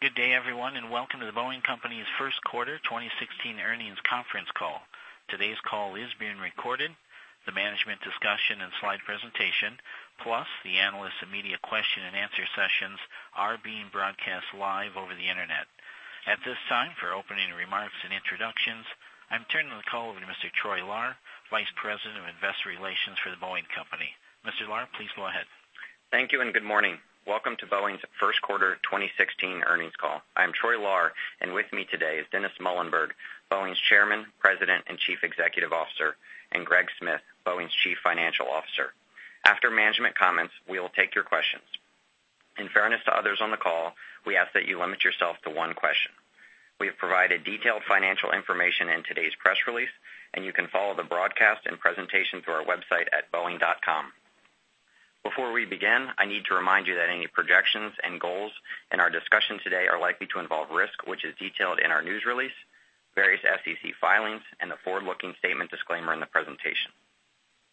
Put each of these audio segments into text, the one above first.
Good day, everyone, and welcome to The Boeing Company's first quarter 2016 earnings conference call. Today's call is being recorded. The management discussion and slide presentation, plus the analyst and media question and answer sessions are being broadcast live over the internet. At this time, for opening remarks and introductions, I'm turning the call over to Mr. Troy Lahr, Vice President of Investor Relations for The Boeing Company. Mr. Lahr, please go ahead. Thank you, and good morning. Welcome to Boeing's first quarter 2016 earnings call. I'm Troy Lahr, and with me today is Dennis Muilenburg, Boeing's Chairman, President, and Chief Executive Officer, and Greg Smith, Boeing's Chief Financial Officer. After management comments, we will take your questions. In fairness to others on the call, we ask that you limit yourself to one question. We have provided detailed financial information in today's press release, and you can follow the broadcast and presentation through our website at boeing.com. Before we begin, I need to remind you that any projections and goals in our discussion today are likely to involve risk, which is detailed in our news release, various SEC filings, and the forward-looking statement disclaimer in the presentation.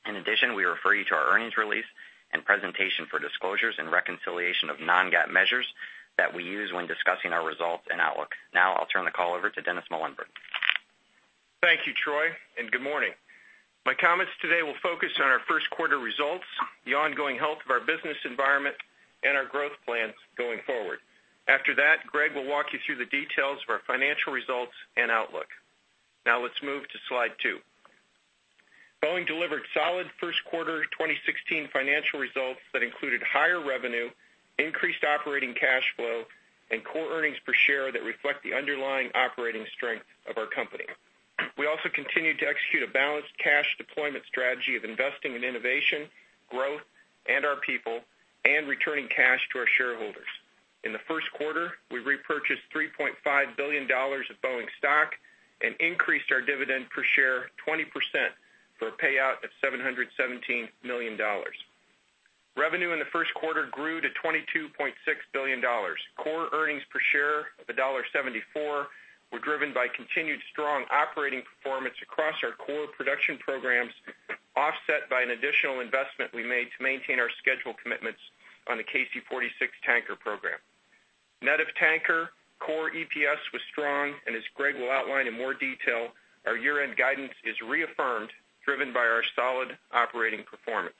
In addition, we refer you to our earnings release and presentation for disclosures and reconciliation of non-GAAP measures that we use when discussing our results and outlook. I'll turn the call over to Dennis Muilenburg. Thank you, Troy, and good morning. My comments today will focus on our first quarter results, the ongoing health of our business environment, and our growth plans going forward. After that, Greg will walk you through the details of our financial results and outlook. Let's move to slide two. Boeing delivered solid first quarter 2016 financial results that included higher revenue, increased operating cash flow, and core earnings per share that reflect the underlying operating strength of our company. We also continued to execute a balanced cash deployment strategy of investing in innovation, growth, and our people, and returning cash to our shareholders. In the first quarter, we repurchased $3.5 billion of Boeing stock and increased our dividend per share 20%, for a payout of $717 million. Revenue in the first quarter grew to $22.6 billion. Core earnings per share of $1.74 were driven by continued strong operating performance across our core production programs, offset by an additional investment we made to maintain our schedule commitments on the KC-46 Tanker program. Net of Tanker, core EPS was strong, and as Greg will outline in more detail, our year-end guidance is reaffirmed, driven by our solid operating performance.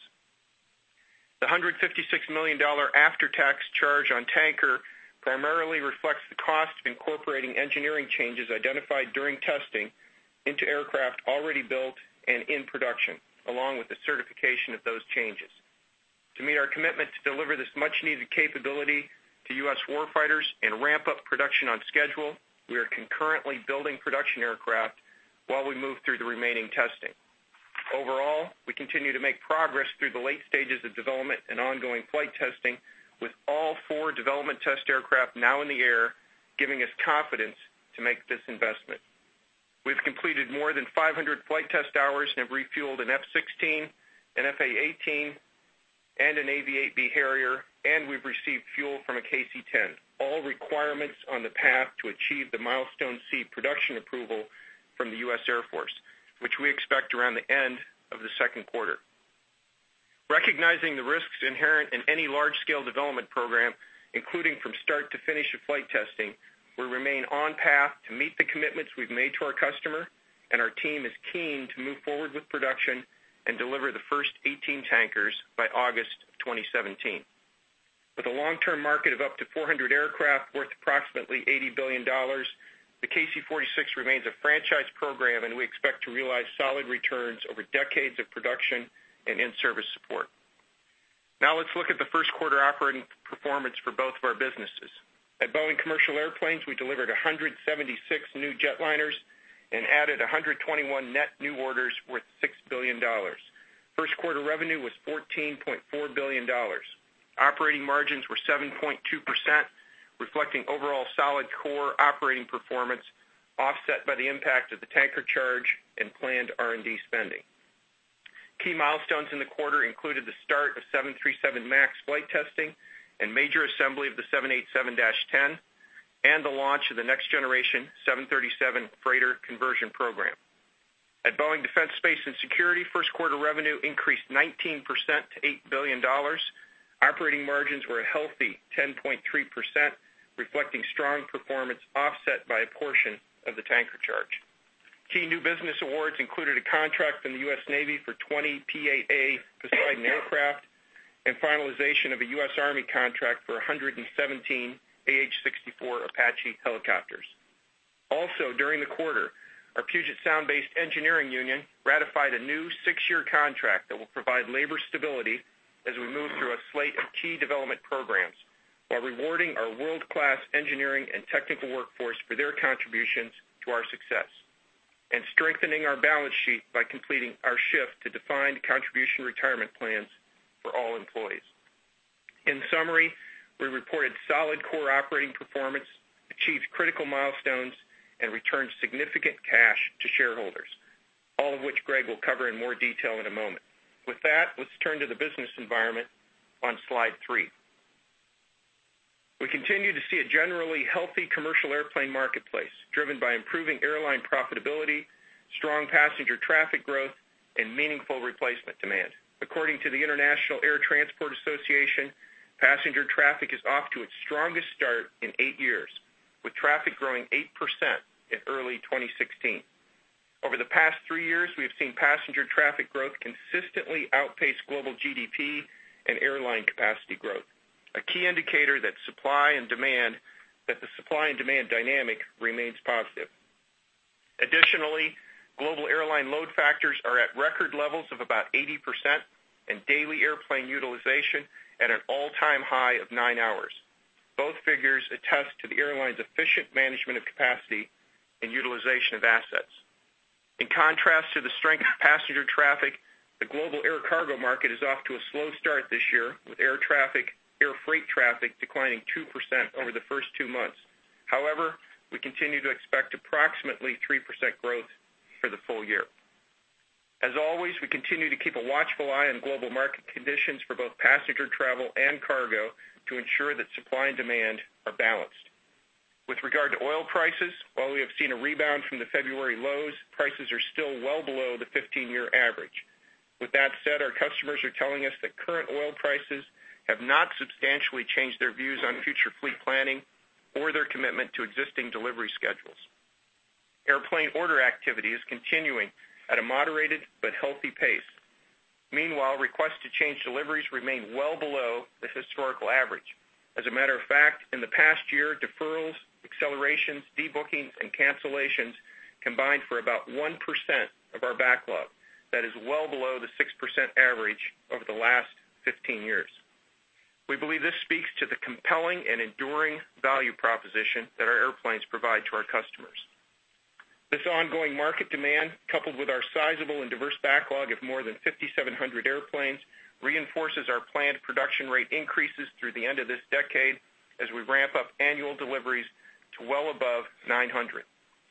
The $156 million after-tax charge on Tanker primarily reflects the cost of incorporating engineering changes identified during testing into aircraft already built and in production, along with the certification of those changes. To meet our commitment to deliver this much-needed capability to U.S. warfighters and ramp up production on schedule, we are concurrently building production aircraft while we move through the remaining testing. Overall, we continue to make progress through the late stages of development and ongoing flight testing, with all four development test aircraft now in the air, giving us confidence to make this investment. We've completed more than 500 flight test hours and have refueled an F-16, an F/A-18, and an AV-8B Harrier, and we've received fuel from a KC-10. All requirements on the path to achieve the Milestone C production approval from the U.S. Air Force, which we expect around the end of the second quarter. Recognizing the risks inherent in any large-scale development program, including from start to finish of flight testing, we remain on path to meet the commitments we've made to our customer. Our team is keen to move forward with production and deliver the first 18 tankers by August 2017. With a long-term market of up to 400 aircraft worth approximately $80 billion, the KC-46 remains a franchise program. We expect to realize solid returns over decades of production and in-service support. Now let's look at the first quarter operating performance for both of our businesses. At Boeing Commercial Airplanes, we delivered 176 new jetliners and added 121 net new orders worth $6 billion. First quarter revenue was $14.4 billion. Operating margins were 7.2%, reflecting overall solid core operating performance, offset by the impact of the Tanker charge and planned R&D spending. Key milestones in the quarter included the start of 737 MAX flight testing and major assembly of the 787-10. The launch of the next generation 737 freighter conversion program. At Boeing Defense, Space & Security, first quarter revenue increased 19% to $8 billion. Operating margins were a healthy 10.3%, reflecting strong performance offset by a portion of the Tanker charge. Key new business awards included a contract from the U.S. Navy for 20 P-8A Poseidon aircraft and finalization of a U.S. Army contract for 117 AH-64 Apache helicopters. Also, during the quarter, our Puget Sound-based engineering union ratified a new six-year contract that will provide labor stability as we move through a slate of key development programs while rewarding our world-class engineering and technical workforce for their contributions to our success and strengthening our balance sheet by completing our shift to defined contribution retirement plans for all employees. In summary, we reported solid core operating performance, achieved critical milestones. Returned significant cash to shareholders, all of which Greg will cover in more detail in a moment. With that, let's turn to the business environment on slide three. We continue to see a generally healthy commercial airplane marketplace driven by improving airline profitability, strong passenger traffic growth. Meaningful replacement demand. According to the International Air Transport Association, passenger traffic is off to its strongest start in eight years, with traffic growing 8% in early 2016. Over the past three years, we have seen passenger traffic growth consistently outpace global GDP and airline capacity growth, a key indicator that the supply and demand dynamic remains positive. Global airline load factors are at record levels of about 80%, and daily airplane utilization at an all-time high of nine hours. Both figures attest to the airlines' efficient management of capacity and utilization of assets. In contrast to the strength of passenger traffic, the global air cargo market is off to a slow start this year, with air freight traffic declining 2% over the first two months. We continue to expect approximately 3% growth for the full year. We continue to keep a watchful eye on global market conditions for both passenger travel and cargo to ensure that supply and demand are balanced. With regard to oil prices, while we have seen a rebound from the February lows, prices are still well below the 15-year average. Our customers are telling us that current oil prices have not substantially changed their views on future fleet planning or their commitment to existing delivery schedules. Airplane order activity is continuing at a moderated but healthy pace. Requests to change deliveries remain well below the historical average. In the past year, deferrals, accelerations, de-bookings, and cancellations combined for about 1% of our backlog. That is well below the 6% average over the last 15 years. We believe this speaks to the compelling and enduring value proposition that our airplanes provide to our customers. This ongoing market demand, coupled with our sizable and diverse backlog of more than 5,700 airplanes, reinforces our planned production rate increases through the end of this decade as we ramp up annual deliveries to well above 900,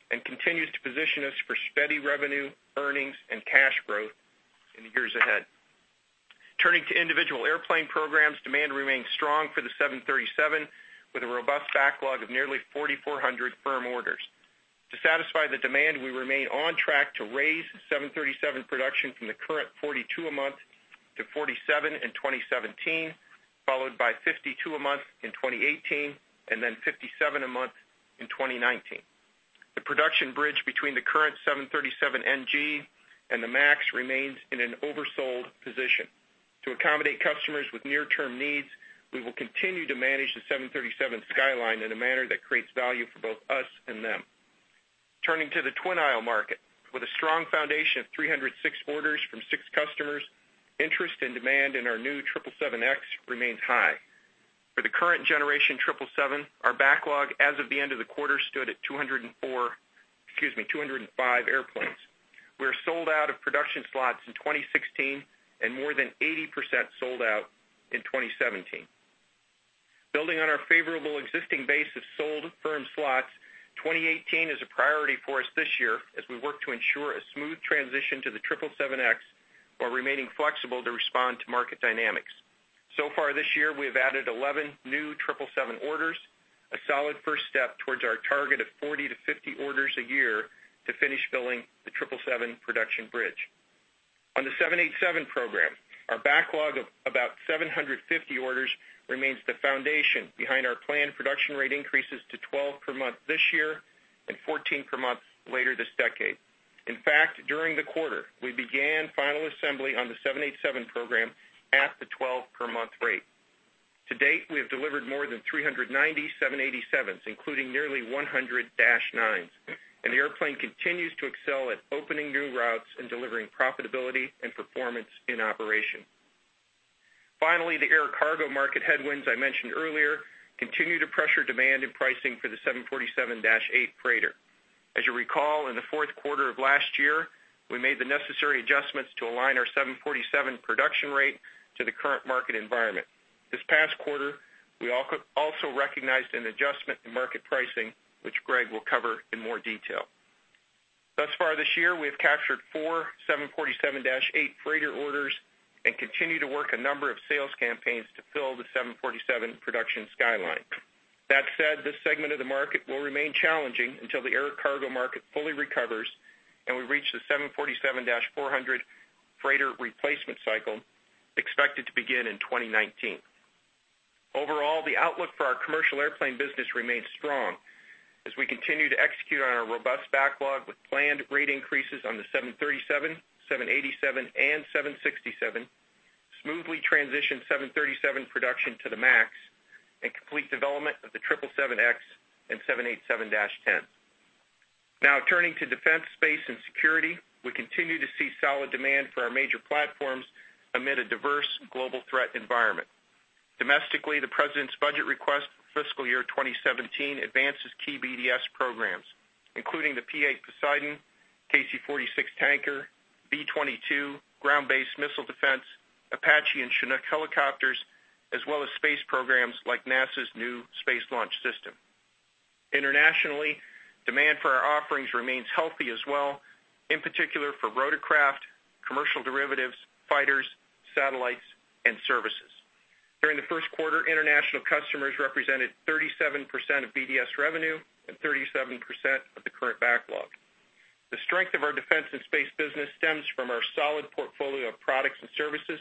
and continues to position us for steady revenue, earnings, and cash growth in the years ahead. Turning to individual airplane programs, demand remains strong for the 737, with a robust backlog of nearly 4,400 firm orders. To satisfy the demand, we remain on track to raise 737 production from the current 42 a month to 47 in 2017, followed by 52 a month in 2018, then 57 a month in 2019. The production bridge between the current 737NG and the MAX remains in an oversold position. To accommodate customers with near-term needs, we will continue to manage the 737 skyline in a manner that creates value for both us and them. Turning to the twin-aisle market, with a strong foundation of 306 orders from six customers, interest and demand in our new 777X remains high. For the current generation 777, our backlog as of the end of the quarter stood at 204, excuse me, 205 airplanes. We are sold out of production slots in 2016, and more than 80% sold out in 2017. Building on our favorable existing base of sold firm slots, 2018 is a priority for us this year as we work to ensure a smooth transition to the 777X, while remaining flexible to respond to market dynamics. Far this year, we have added 11 new 777 orders, a solid first step towards our target of 40 to 50 orders a year to finish building the 777 production bridge. On the 787 program, our backlog of about 750 orders remains the foundation behind our planned production rate increases to 12 per month this year, and 14 per month later this decade. In fact, during the quarter, we began final assembly on the 787 program at the 12-per-month rate. To date, we have delivered more than 390 787s, including nearly 100 Dash 9s, and the airplane continues to excel at opening new routes and delivering profitability and performance in operation. Finally, the air cargo market headwinds I mentioned earlier continue to pressure demand and pricing for the 747-8 Freighter. As you recall, in the fourth quarter of last year, we made the necessary adjustments to align our 747 production rate to the current market environment. This past quarter, we also recognized an adjustment in market pricing, which Greg will cover in more detail. Thus far this year, we have captured four 747-8 Freighter orders and continue to work a number of sales campaigns to fill the 747 production skyline. That said, this segment of the market will remain challenging until the air cargo market fully recovers and we reach the 747-400 Freighter replacement cycle expected to begin in 2019. Overall, the outlook for our commercial airplane business remains strong as we continue to execute on our robust backlog with planned rate increases on the 737, 787, and 767, smoothly transition 737 production to the MAX, and complete development of the 777X and 787-10. Turning to Defense, Space, and Security. We continue to see solid demand for our major platforms amid a diverse global threat environment. Domestically, the president's budget request for fiscal year 2017 advances key BDS programs, including the P-8 Poseidon, KC-46 tanker, V-22, Ground-based Midcourse Defense, Apache, and Chinook helicopters, as well as space programs like NASA's new Space Launch System. Internationally, demand for our offerings remains healthy as well, in particular for rotorcraft, commercial derivatives, fighters, satellites, and services. The first quarter international customers represented 37% of BDS revenue and 37% of the current backlog. The strength of our defense and space business stems from our solid portfolio of products and services,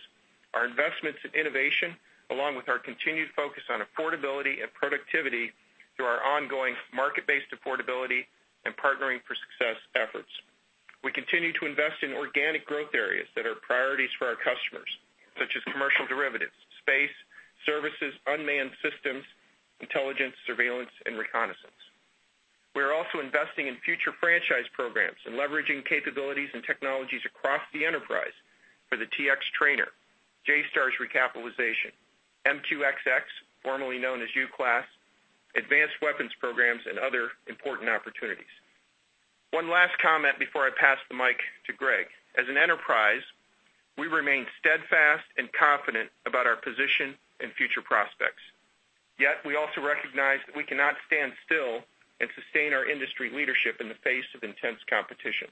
our investments in innovation, along with our continued focus on affordability and productivity through our ongoing market-based affordability and Partnering for Success efforts. We continue to invest in organic growth areas that are priorities for our customers, such as commercial derivatives, space, services, unmanned systems, intelligence, surveillance, and reconnaissance. We are also investing in future franchise programs and leveraging capabilities and technologies across the enterprise for the T-X trainer, JSTARS recapitalization, MQ-25, formerly known as UCLASS, advanced weapons programs, and other important opportunities. One last comment before I pass the mic to Greg. As an enterprise, we remain steadfast and confident about our position and future prospects. Yet, we also recognize that we cannot stand still and sustain our industry leadership in the face of intense competition.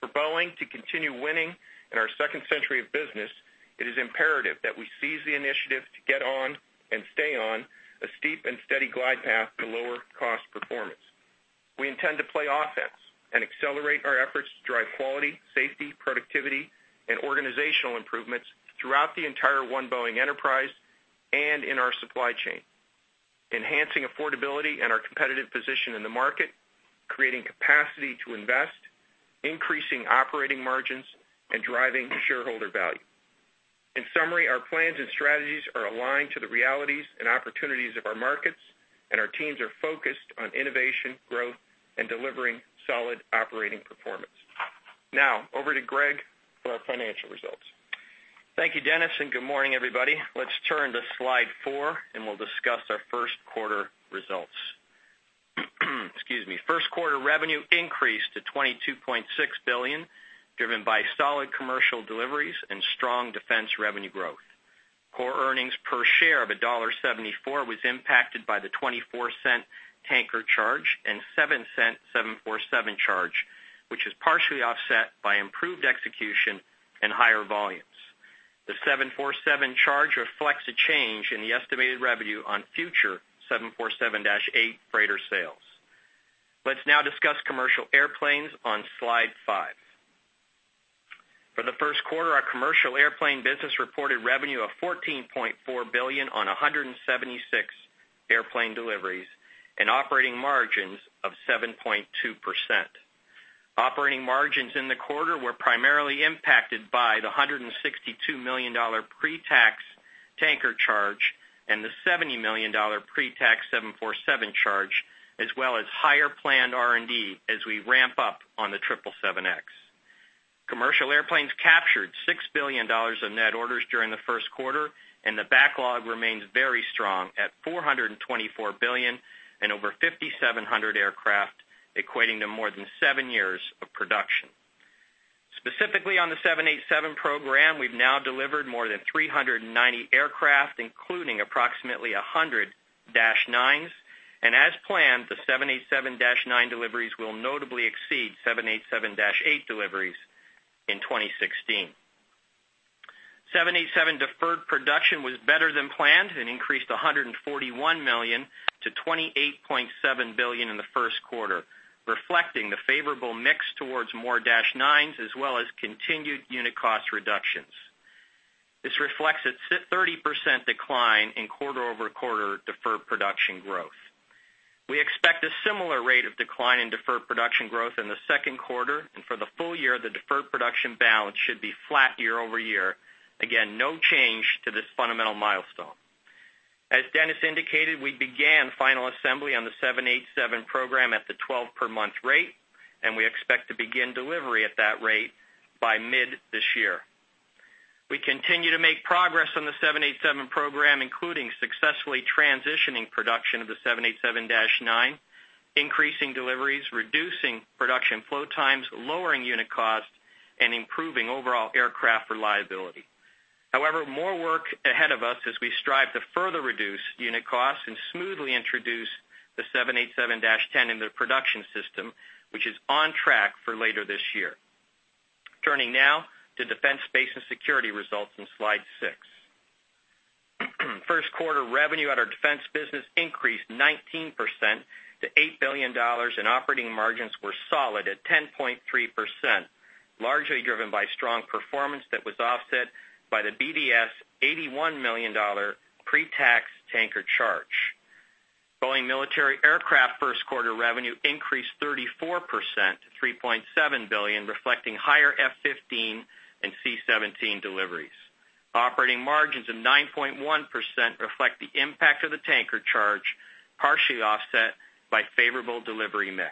For Boeing to continue winning in our second century of business, it is imperative that we seize the initiative to get on and stay on a steep and steady glide path to lower cost performance. We intend to play offense and accelerate our efforts to drive quality, safety, productivity, and organizational improvements throughout the entire One Boeing enterprise and in our supply chain, enhancing affordability and our competitive position in the market, creating capacity to invest, increasing operating margins, and driving shareholder value. In summary, our plans and strategies are aligned to the realities and opportunities of our markets, and our teams are focused on innovation, growth, and delivering solid operating performance. Now, over to Greg for our financial results. Thank you, Dennis. Good morning, everybody. Let's turn to Slide four and we'll discuss our first quarter results. Excuse me. First quarter revenue increased to $22.6 billion, driven by solid commercial deliveries and strong defense revenue growth. Core earnings per share of $1.74 was impacted by the $0.24 tanker charge and $0.747 charge, which is partially offset by improved execution and higher volumes. The 747 charge reflects a change in the estimated revenue on future 747-8 Freighter sales. Let's now discuss Commercial Airplanes on Slide five. For the first quarter, our commercial airplane business reported revenue of $14.4 billion on 176 airplane deliveries and operating margins of 7.2%. Operating margins in the quarter were primarily impacted by the $162 million pre-tax tanker charge and the $70 million pre-tax 747 charge, as well as higher planned R&D as we ramp up on the 777X. Commercial Airplanes captured $6 billion of net orders during the first quarter, and the backlog remains very strong at $424 billion and over 5,700 aircraft, equating to more than seven years of production. Specifically on the 787 program, we've now delivered more than 390 aircraft, including approximately 100 dash nines, and as planned, the 787-9 deliveries will notably exceed 787-8 deliveries in 2016. 787 deferred production was better than planned and increased $141 million to $28.7 billion in the first quarter, reflecting the favorable mix towards more dash nines as well as continued unit cost reductions. This reflects a 30% decline in quarter-over-quarter deferred production growth. We expect a similar rate of decline in deferred production growth in the second quarter, and for the full year, the deferred production balance should be flat year-over-year. Again, no change to this fundamental milestone. As Dennis indicated, we began final assembly on the 787 program at the 12-per-month rate, and we expect to begin delivery at that rate by mid this year. We continue to make progress on the 787 program, including successfully transitioning production of the 787-9, increasing deliveries, reducing production flow times, lowering unit cost, and improving overall aircraft reliability. However, more work ahead of us as we strive to further reduce unit costs and smoothly introduce the 787-10 in the production system, which is on track for later this year. Turning now to Defense, Space & Security results on Slide six. First quarter revenue at our defense business increased 19% to $8 billion, and operating margins were solid at 10.3%, largely driven by strong performance that was offset by the BDS $81 million pre-tax tanker charge. Boeing Military Aircraft first quarter revenue increased 34% to $3.7 billion, reflecting higher F-15 and C-17 deliveries. Operating margins of 9.1% reflect the impact of the tanker charge, partially offset by favorable delivery mix.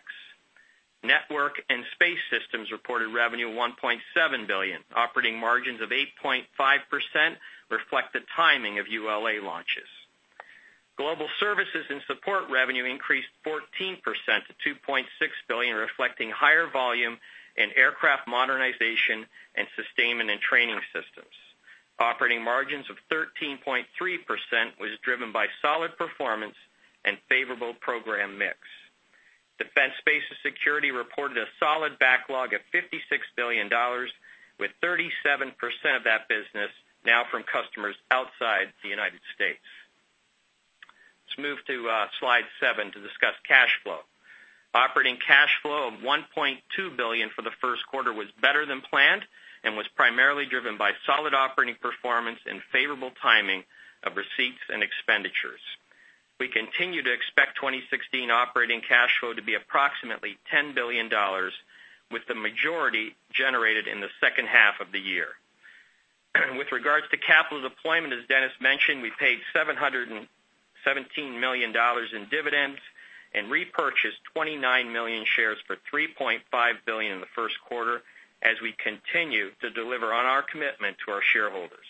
Network & Space Systems reported revenue of $1.7 billion. Operating margins of 8.5% reflect the timing of ULA launches. Global Services & Support revenue increased 14% to $2.6 billion, reflecting higher volume in aircraft modernization and sustainment and training systems. Operating margins of 13.3% was driven by solid performance and favorable program mix. Defense, Space & Security reported a solid backlog of $56 billion, with 37% of that business now from customers outside the United States. Let's move to slide seven to discuss cash flow. Operating cash flow of $1.2 billion for the first quarter was better than planned and was primarily driven by solid operating performance and favorable timing of receipts and expenditures. We continue to expect 2016 operating cash flow to be approximately $10 billion, with the majority generated in the second half of the year. With regards to capital deployment, as Dennis mentioned, we paid $717 million in dividends and repurchased 29 million shares for $3.5 billion in the first quarter as we continue to deliver on our commitment to our shareholders.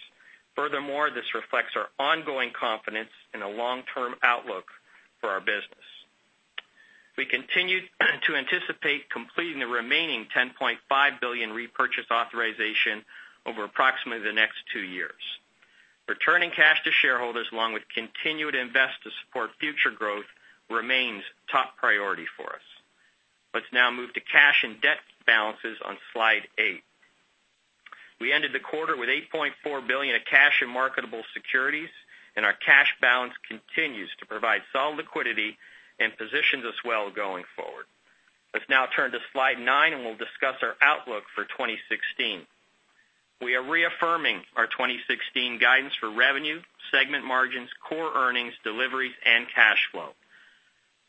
Furthermore, this reflects our ongoing confidence in a long-term outlook for our business. We continue to anticipate completing the remaining $10.5 billion repurchase authorization over approximately the next two years. Returning cash to shareholders, along with continued invest to support future growth, remains top priority for us. Let's now move to cash and debt balances on slide eight. We ended the quarter with $8.4 billion of cash in marketable securities, and our cash balance continues to provide solid liquidity and positions us well going forward. Let's now turn to slide nine, we'll discuss our outlook for 2016. We are reaffirming our 2016 guidance for revenue, segment margins, core earnings, deliveries, and cash flow.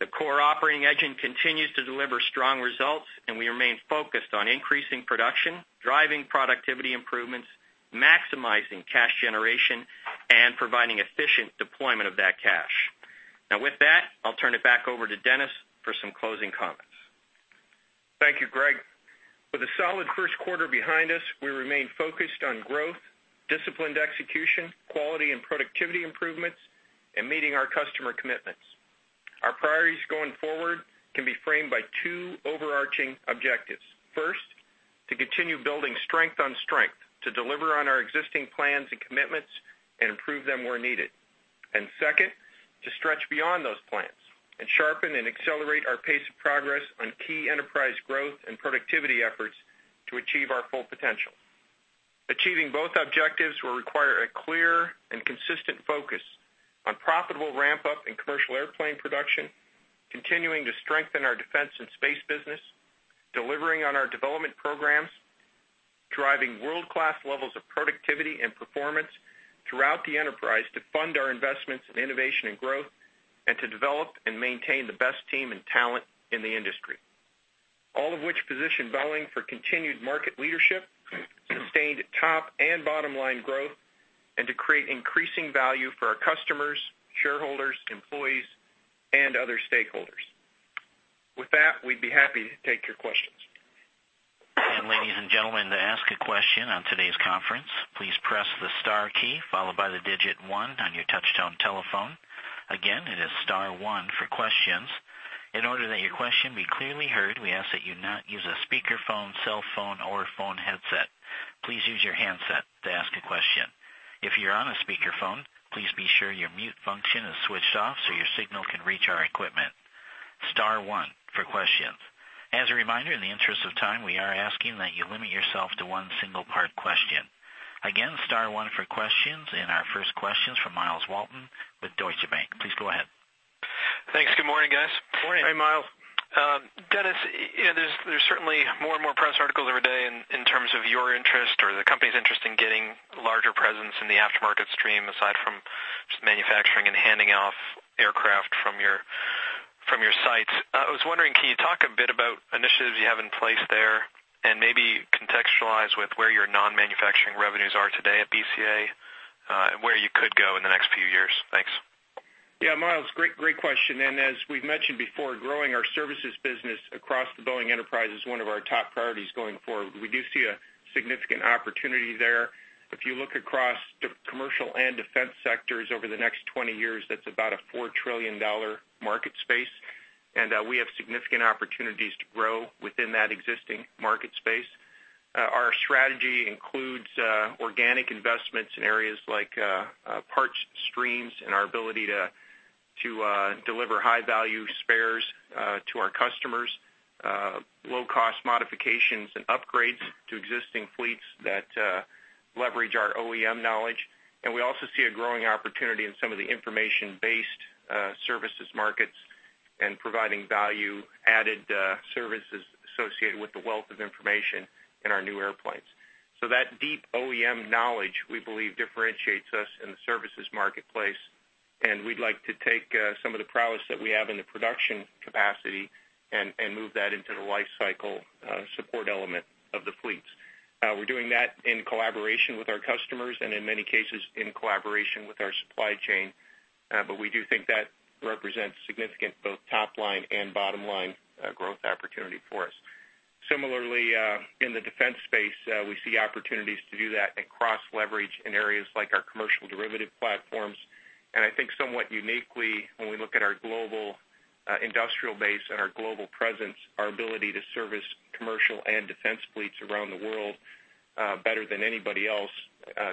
The core operating engine continues to deliver strong results, and we remain focused on increasing production, driving productivity improvements, maximizing cash generation, and providing efficient deployment of that cash. With that, I'll turn it back over to Dennis for some closing comments. Thank you, Greg. With a solid first quarter behind us, we remain focused on growth, disciplined execution, quality and productivity improvements, and meeting our customer commitments. Our priorities going forward can be framed by two overarching objectives. First, to continue building strength on strength, to deliver on our existing plans and commitments, and improve them where needed. Second, to stretch beyond those plans and sharpen and accelerate our pace of progress on key enterprise growth and productivity efforts to achieve our full potential. Achieving both objectives will require a clear and consistent focus on profitable ramp-up in commercial airplane production, continuing to strengthen our defense and space business, delivering on our development programs, driving world-class levels of productivity and performance throughout the enterprise to fund our investments in innovation and growth, and to develop and maintain the best team and talent in the industry. All of which position Boeing for continued market leadership, sustained top and bottom-line growth, and to create increasing value for our customers, shareholders, employees, and other stakeholders. With that, we'd be happy to take your questions. Ladies and gentlemen, to ask a question on today's conference, please press the star key followed by the digit one on your touch-tone telephone. Again, it is star one for questions. In order that your question be clearly heard, we ask that you not use a speakerphone, cellphone, or phone headset. Please use your handset to ask a question. If you're on a speakerphone, please be sure your mute function is switched off so your signal can reach our equipment. Star one for questions. As a reminder, in the interest of time, we are asking that you limit yourself to one single part question. Again, star one for questions, our first question's from Myles Walton with Deutsche Bank. Please go ahead. Thanks. Good morning, guys. Morning. Hey, Myles. Dennis, there's certainly more and more press articles every day in terms of your interest or the company's interest in getting larger presence in the aftermarket stream, aside from just manufacturing and handing off aircraft from your sites. I was wondering, can you talk a bit about initiatives you have in place there, and maybe contextualize with where your non-manufacturing revenues are today at BCA, and where you could go in the next few years? Thanks. Yeah, Myles, great question. As we've mentioned before, growing our services business across the Boeing enterprise is one of our top priorities going forward. We do see a significant opportunity there. If you look across commercial and defense sectors over the next 20 years, that's about a $4 trillion market space, and we have significant opportunities to grow within that existing market space. Our strategy includes organic investments in areas like parts streams and our ability to deliver high-value spares to our customers, low-cost modifications, and upgrades to existing fleets that leverage our OEM knowledge. We also see a growing opportunity in some of the information-based services markets and providing value-added services associated with the wealth of information in our new airplanes. That deep OEM knowledge, we believe, differentiates us in the services marketplace, and we'd like to take some of the prowess that we have in the production capacity and move that into the life cycle support element of the fleets. We're doing that in collaboration with our customers and, in many cases, in collaboration with our supply chain. We do think that represents significant both top-line and bottom-line growth opportunity for us. Similarly, in the defense space, we see opportunities to do that and cross-leverage in areas like our commercial derivative platforms. I think somewhat uniquely, when we look at our global industrial base and our global presence, our ability to service commercial and defense fleets around the world better than anybody else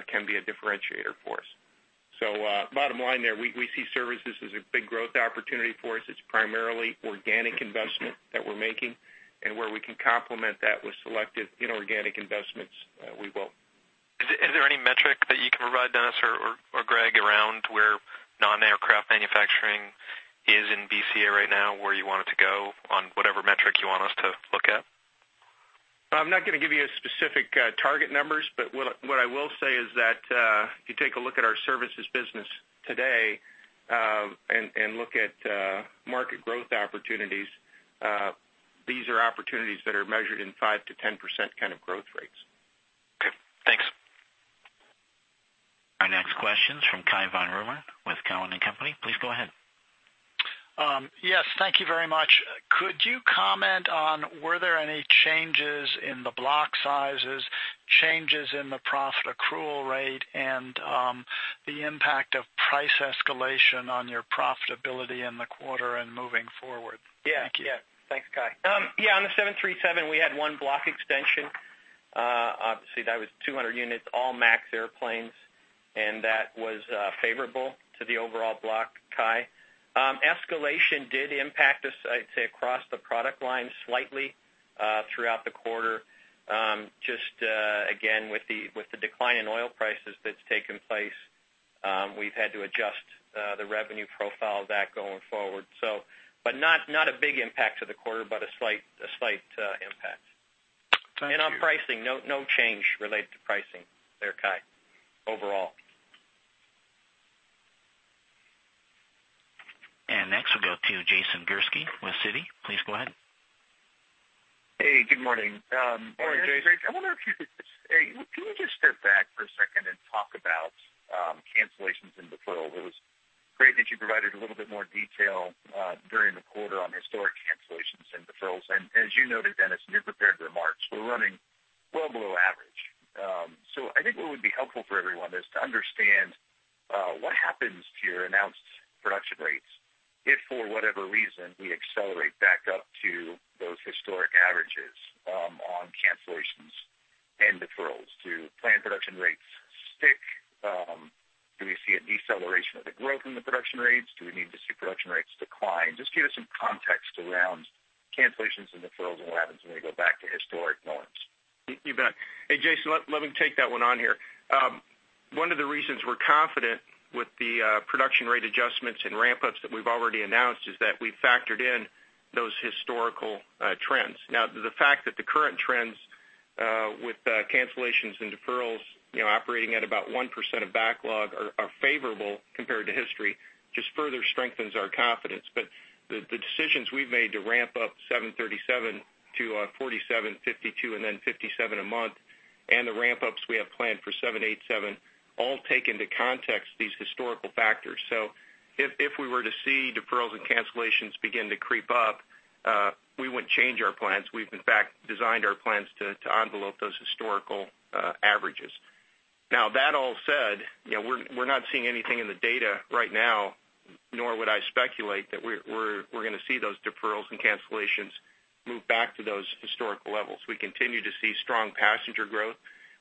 can be a differentiator for us. Bottom line there, we see services as a big growth opportunity for us. It's primarily organic investment that we're making and where we can complement that with selective inorganic investments, we will. Is there any metric that you can provide, Dennis or Greg, around where non-aircraft manufacturing is in BCA right now, where you want it to go on whatever metric you want us to look at? I'm not going to give you specific target numbers, but what I will say is that, if you take a look at our services business today, and look at market growth opportunities, these are opportunities that are measured in 5%-10% kind of growth rates. Okay, thanks. Our next question is from Cai von Rumohr with Cowen and Company. Please go ahead. Yes, thank you very much. Could you comment on were there any changes in the block sizes, changes in the profit accrual rate, and the impact of price escalation on your profitability in the quarter and moving forward? Thank you. Yeah. Thanks, Cai. On the 737, we had one block extension. Obviously, that was 200 units, all MAX airplanes, and that was favorable to the overall block, Cai. Escalation did impact us, I'd say, across the product line slightly, throughout the quarter. Again, with the decline in oil prices that's taken place, we've had to adjust the revenue profile of that going forward. Not a big impact to the quarter, but a slight impact. Thank you. On pricing, no change related to pricing there, Cai, overall. Next we'll go to Jason Gursky with Citi. Please go ahead. Hey, good morning. Morning, Jason. Can you just step back for a second and talk about cancellations and deferrals? It was great that you provided a little bit more detail during the quarter on historic cancellations and deferrals. As you noted, Dennis, in your prepared remarks, we're running well below average. I think what would be helpful for everyone is to understand what happens to your announced production rates if, for whatever reason, we accelerate back up to those historic averages on cancellations and deferrals. Do planned production rates stick? Do we see a deceleration of the growth in the production rates? Do we need to see production rates decline? Just give us some context around cancellations and deferrals and what happens when we go back to historic norms. You bet. Hey, Jason, let me take that one on here. One of the reasons we're confident with the production rate adjustments and ramp-ups that we've already announced is that we factored in those historical trends. The fact that the current trends, with cancellations and deferrals operating at about 1% of backlog, are favorable compared to history, just further strengthens our confidence. The decisions we've made to ramp up 737 to 47, 52, and then 57 a month, and the ramp-ups we have planned for 787, all take into context these historical factors. If we were to see deferrals and cancellations begin to creep up, we wouldn't change our plans. We've, in fact, designed our plans to envelop those historical averages. That all said, we're not seeing anything in the data right now, nor would I speculate that we're going to see those deferrals and cancellations move back to those historical levels. We continue to see strong passenger growth.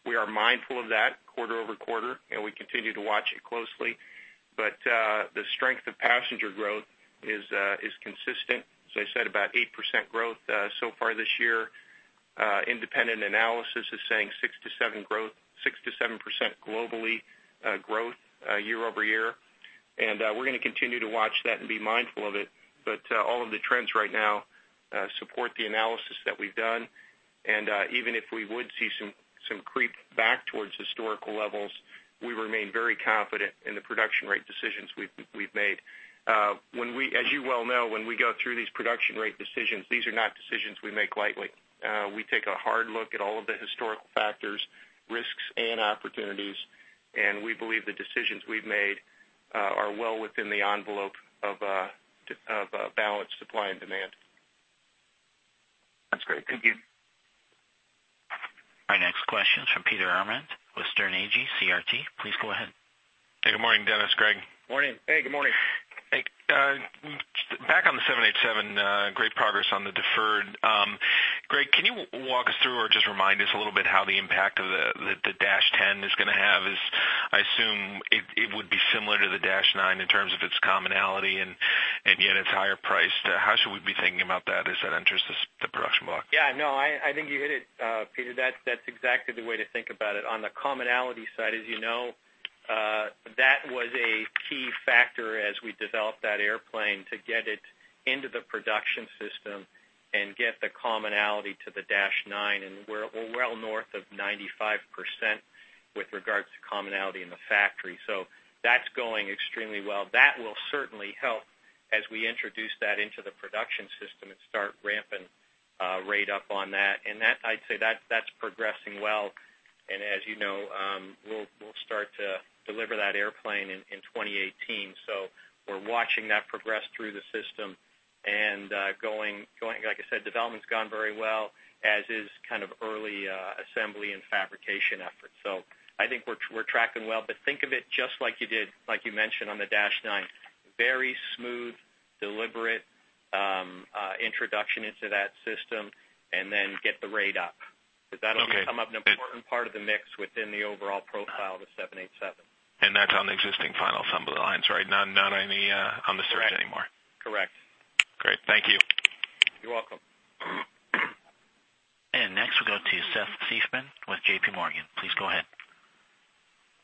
We are mindful of that quarter-over-quarter, and we continue to watch it closely. The strength of passenger growth is consistent. As I said, about 8% growth so far this year. Independent analysis is saying 6%-7% globally growth year-over-year. We're going to continue to watch that and be mindful of it. All of the trends right now support the analysis that we've done. Even if we would see some creep back towards historical levels, we remain very confident in the production rate decisions we've made. As you well know, when we go through these production rate decisions, these are not decisions we make lightly. We take a hard look at all of the historical factors, risks, and opportunities, and we believe the decisions we've made are well within the envelope of a balanced supply and demand. That's great. Thank you. Our next question is from Peter Arment with Sterne Agee CRT. Please go ahead. Hey, good morning, Dennis, Greg. Morning. Hey, good morning. Hey. Back on the 787, great progress on the deferred. Greg, can you walk us through or just remind us a little bit how the impact of the dash 10 is going to have as, I assume, it would be similar to the dash nine in terms of its commonality and yet it's higher priced. How should we be thinking about that as that enters the production block? Yeah, no, I think you hit it, Peter. That is exactly the way to think about it. On the commonality side, as you know, that was a key factor as we developed that airplane to get it into the production system and get the commonality to the dash nine, and we are well north of 95% with regards to commonality in the factory. That is going extremely well. That will certainly help as we introduce that into the production system and start ramping rate up on that. I would say that is progressing well, and as you know, we will start to deliver that airplane in 2018. We are watching that progress through the system and going, like I said, development has gone very well, as is kind of early assembly and fabrication efforts. I think we are tracking well, but think of it just like you did, like you mentioned on the dash nine, very smooth, deliberate, introduction into that system, and then get the rate up. That will only come up an important part of the mix within the overall profile of the 787. That is on the existing final assembly lines, right? Not on the surge anymore. Correct. Great. Thank you. You're welcome. Next, we'll go to Seth Seifman with JPMorgan. Please go ahead.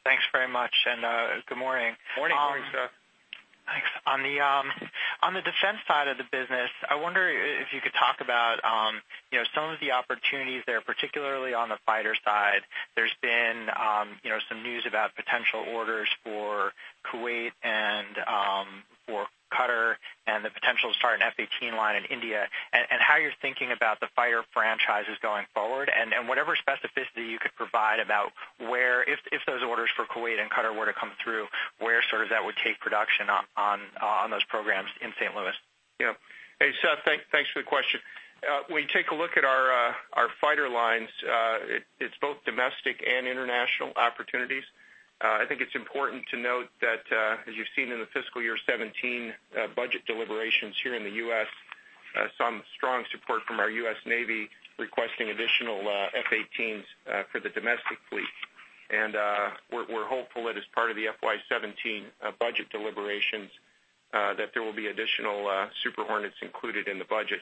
Thanks very much, and good morning. Morning. Good morning, Seth. Thanks. On the Defense side of the business, I wonder if you could talk about some of the opportunities there, particularly on the fighter side. There's been some news about potential orders for Kuwait and for Qatar, the potential to start an F/A-18 line in India, and how you're thinking about the fighter franchises going forward. Whatever specificity you could provide about where, if those orders for Kuwait and for Qatar were to come through, where that would take production on those programs in St. Louis. Hey, Seth. Thanks for the question. When you take a look at our fighter lines, it's both domestic and international opportunities. I think it's important to note that, as you've seen in the FY 2017 budget deliberations here in the U.S., some strong support from our U.S. Navy requesting additional F/A-18s for the domestic fleet. We're hopeful that as part of the FY 2017 budget deliberations, that there will be additional Super Hornets included in the budget.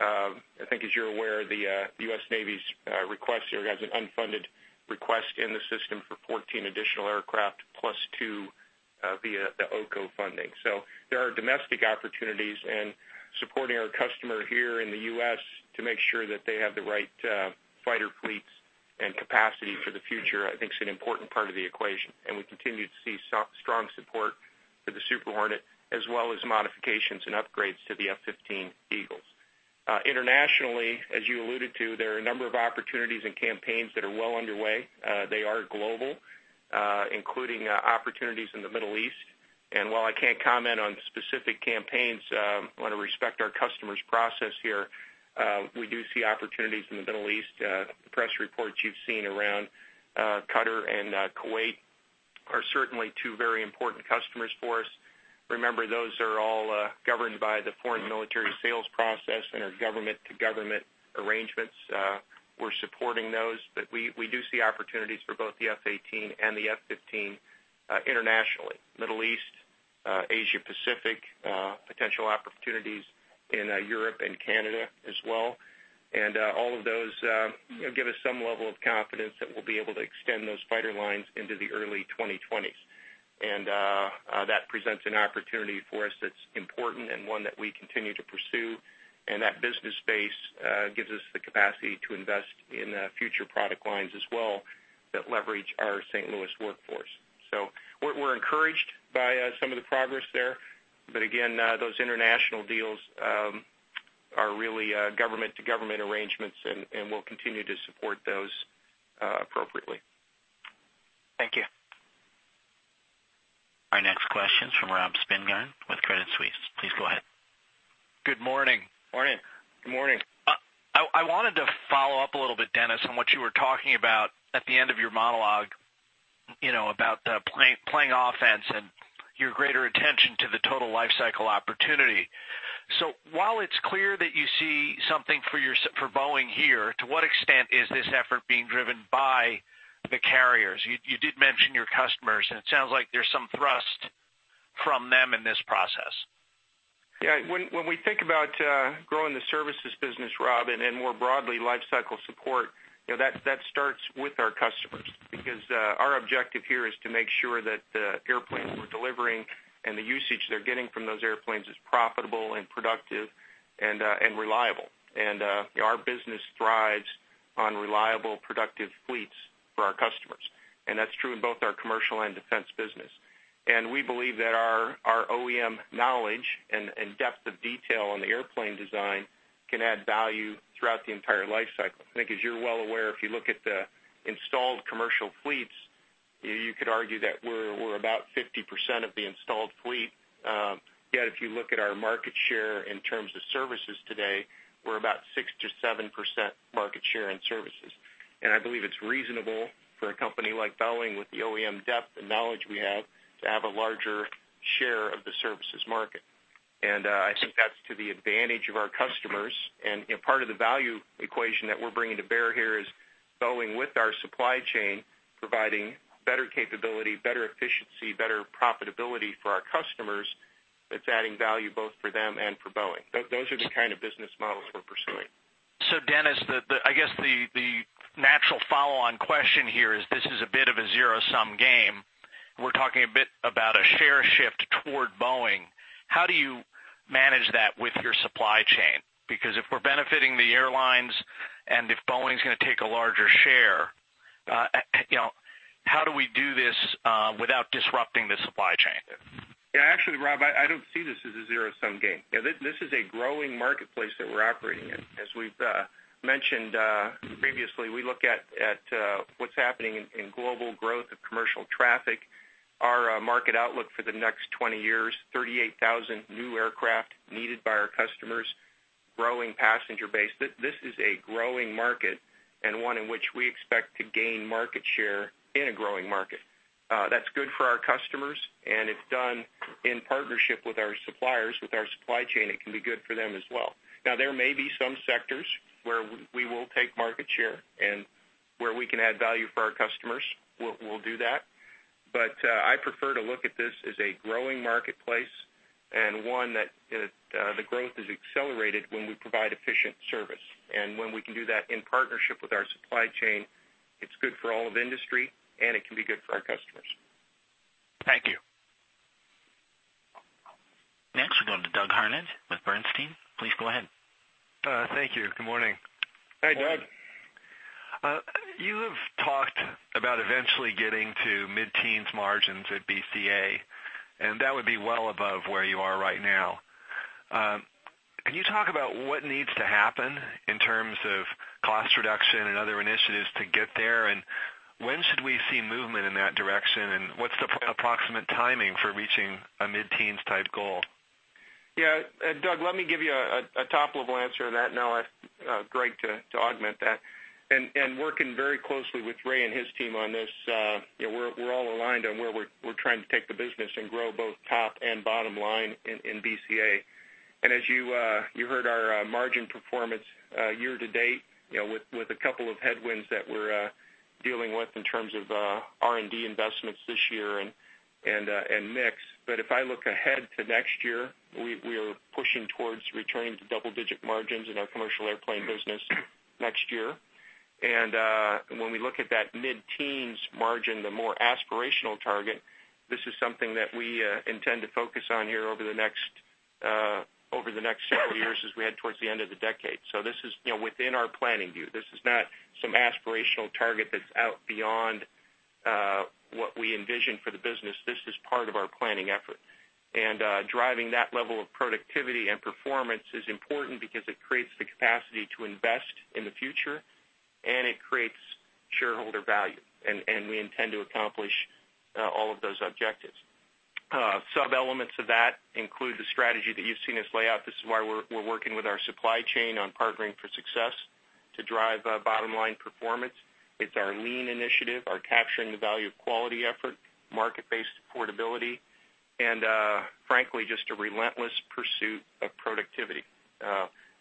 I think as you're aware, the U.S. Navy's request here has an unfunded request in the system for 14 additional aircraft plus two via the OCO funding. There are domestic opportunities and supporting our customer here in the U.S. to make sure that they have the right fighter fleets and capacity for the future, I think is an important part of the equation. We continue to see strong support for the Super Hornet, as well as modifications and upgrades to the F-15 Eagles. Internationally, as you alluded to, there are a number of opportunities and campaigns that are well underway. They are global, including opportunities in the Middle East. While I can't comment on specific campaigns, I want to respect our customer's process here. We do see opportunities in the Middle East. The press reports you've seen around Qatar and Kuwait are certainly two very important customers for us. Remember, those are all governed by the foreign military sales process and are government-to-government arrangements. We're supporting those, but we do see opportunities for both the F/A-18 and the F-15 internationally, Middle East, Asia Pacific, potential opportunities in Europe and Canada as well. All of those give us some level of confidence that we'll be able to extend those fighter lines into the early 2020s. That presents an opportunity for us that's important and one that we continue to pursue. That business space gives us the capacity to invest in future product lines as well, that leverage our St. Louis workforce. We're encouraged by some of the progress there. Again, those international deals are really government-to-government arrangements, and we'll continue to support those appropriately. Thank you. Our next question is from Robert Spingarn with Credit Suisse. Please go ahead. Good morning. Morning. Good morning. I wanted to follow up a little bit, Dennis, on what you were talking about at the end of your monologue, about playing offense and your greater attention to the total life cycle opportunity. While it's clear that you see something for Boeing here, to what extent is this effort being driven by the carriers? You did mention your customers, and it sounds like there's some thrust from them in this process. Yeah. When we think about growing the services business, Rob, and more broadly, life cycle support, that starts with our customers because our objective here is to make sure that the airplanes we're delivering and the usage they're getting from those airplanes is profitable and productive and reliable. Our business thrives on reliable, productive fleets for our customers. That's true in both our commercial and defense business. We believe that our OEM knowledge and depth of detail on the airplane design can add value throughout the entire life cycle. I think as you're well aware, if you look at the installed commercial fleets, you could argue that we're about 50% of the installed fleet. Yet, if you look at our market share in terms of services today, we're about 6%-7% market share in services. I believe it's reasonable for a company like Boeing with the OEM depth and knowledge we have to have a larger share of the services market. I think that's to the advantage of our customers. Part of the value equation that we're bringing to bear here is Boeing with our supply chain, providing better capability, better efficiency, better profitability for our customers that's adding value both for them and for Boeing. Those are the kind of business models we're pursuing. Dennis, I guess the natural follow-on question here is this is a bit of a zero-sum game. We're talking a bit about a share shift toward Boeing. How do you manage that with your supply chain? Because if we're benefiting the airlines and if Boeing's going to take a larger share, how do we do this without disrupting the supply chain? Yeah. Actually, Rob, I don't see this as a zero-sum game. This is a growing marketplace that we're operating in. As we've mentioned previously, we look at what's happening in global growth of commercial traffic. Our market outlook for the next 20 years, 38,000 new aircraft needed by our customers, growing passenger base. This is a growing market and one in which we expect to gain market share in a growing market. That's good for our customers, and if done in partnership with our suppliers, with our supply chain, it can be good for them as well. Now, there may be some sectors where we will take market share, and where we can add value for our customers, we'll do that. I prefer to look at this as a growing marketplace, and one that the growth is accelerated when we provide efficient service. When we can do that in partnership with our supply chain, it's good for all of industry, and it can be good for our customers. Thank you. Next, we'll go to Douglas Harned with Bernstein. Please go ahead. Thank you. Good morning. Hey, Doug. You have talked about eventually getting to mid-teens margins at BCA, that would be well above where you are right now. Can you talk about what needs to happen in terms of cost reduction and other initiatives to get there? When should we see movement in that direction, and what's the approximate timing for reaching a mid-teens type goal? Doug, let me give you a top-level answer to that. Now, Greg to augment that. Working very closely with Ray and his team on this, we're all aligned on where we're trying to take the business and grow both top and bottom line in BCA. As you heard our margin performance year to date, with a couple of headwinds that we're dealing with in terms of R&D investments this year, and mix. If I look ahead to next year, we are pushing towards returning to double-digit margins in our commercial airplane business next year. When we look at that mid-teens margin, the more aspirational target, this is something that we intend to focus on here over the next several years as we head towards the end of the decade. This is within our planning view. This is not some aspirational target that's out beyond what we envision for the business. This is part of our planning effort. Driving that level of productivity and performance is important, because it creates the capacity to invest in the future, and it creates shareholder value. We intend to accomplish all of those objectives. Sub-elements of that include the strategy that you've seen us lay out. This is why we're working with our supply chain on Partnering for Success to drive bottom-line performance. It's our Lean initiative, our capturing the value of quality effort, market-based affordability, and frankly, just a relentless pursuit of productivity.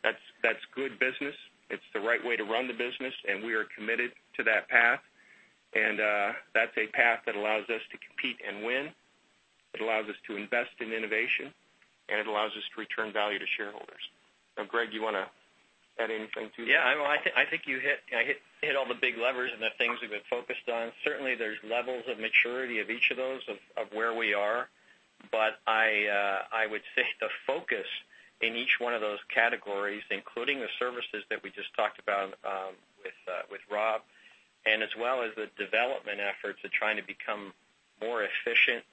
That's good business. It's the right way to run the business, and we are committed to that path. That's a path that allows us to compete and win. It allows us to invest in innovation, and it allows us to return value to shareholders. Now, Greg, do you want to add anything to that? I think you hit all the big levers and the things we've been focused on. Certainly, there's levels of maturity of each of those, of where we are. I would say the focus in each one of those categories, including the services that we just talked about with Rob, as well as the development efforts to try to become more efficient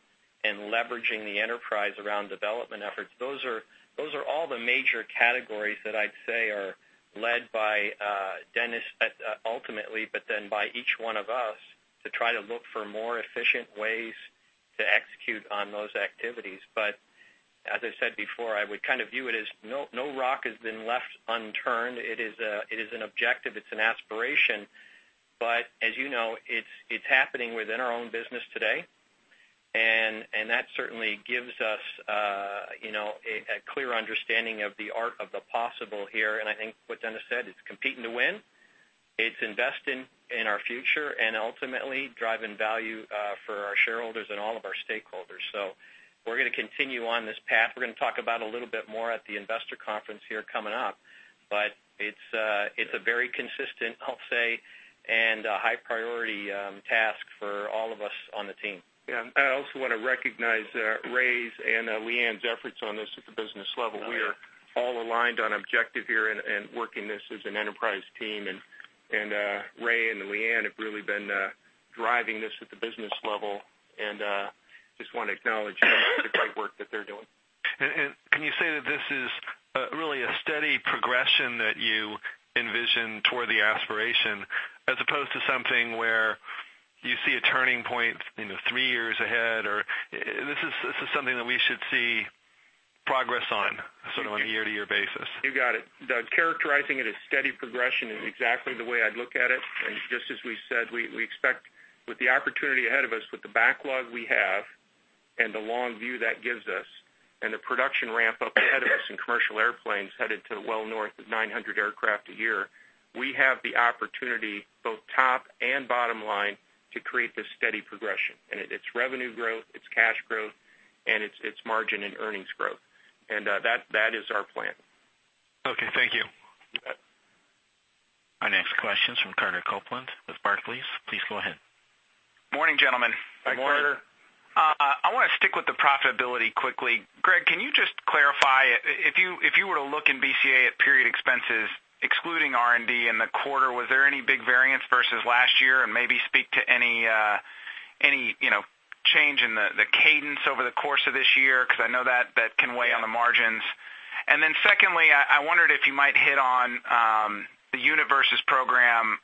in leveraging the enterprise around development efforts. Those are all the major categories that I'd say are led by Dennis, ultimately, but then by each one of us, to try to look for more efficient ways to execute on those activities. As I said before, I would kind of view it as no rock has been left unturned. It is an objective, it's an aspiration, but as you know, it's happening within our own business today, and that certainly gives us a clear understanding of the art of the possible here. I think what Dennis said, it's competing to win, it's investing in our future, and ultimately, driving value for our shareholders and all of our stakeholders. We're going to continue on this path. We're going to talk about a little bit more at the investor conference here coming up, it's a very consistent, I'll say, and a high priority task for all of us on the team. Yeah. I also want to recognize Ray's and Leanne's efforts on this at the business level. We are all aligned on objective here and working this as an enterprise team, and Ray and Leanne have really been driving this at the business level, and just want to acknowledge the great work that they're doing. Can you say that this is really a steady progression that you envision toward the aspiration, as opposed to something where you see a turning point three years ahead? This is something that we should see progress on, sort of on a year-to-year basis. You got it. Doug, characterizing it as steady progression is exactly the way I'd look at it. Just as we said, we expect with the opportunity ahead of us, with the backlog we have, and the long view that gives us, and the production ramp up ahead of us in commercial airplanes headed to well north of 900 aircraft a year. We have the opportunity, both top and bottom line, to create this steady progression. It's revenue growth, it's cash growth, and it's margin and earnings growth. That is our plan. Okay. Thank you. You bet. Our next question's from Carter Copeland with Barclays. Please go ahead. Morning, gentlemen. Hi, Carter. Morning. I want to stick with the profitability quickly. Greg, can you just clarify, if you were to look in BCA at period expenses, excluding R&D in the quarter, was there any big variance versus last year? Maybe speak to any change in the cadence over the course of this year, because I know that can weigh on the margins. Secondly, I wondered if you might hit on the unit versus program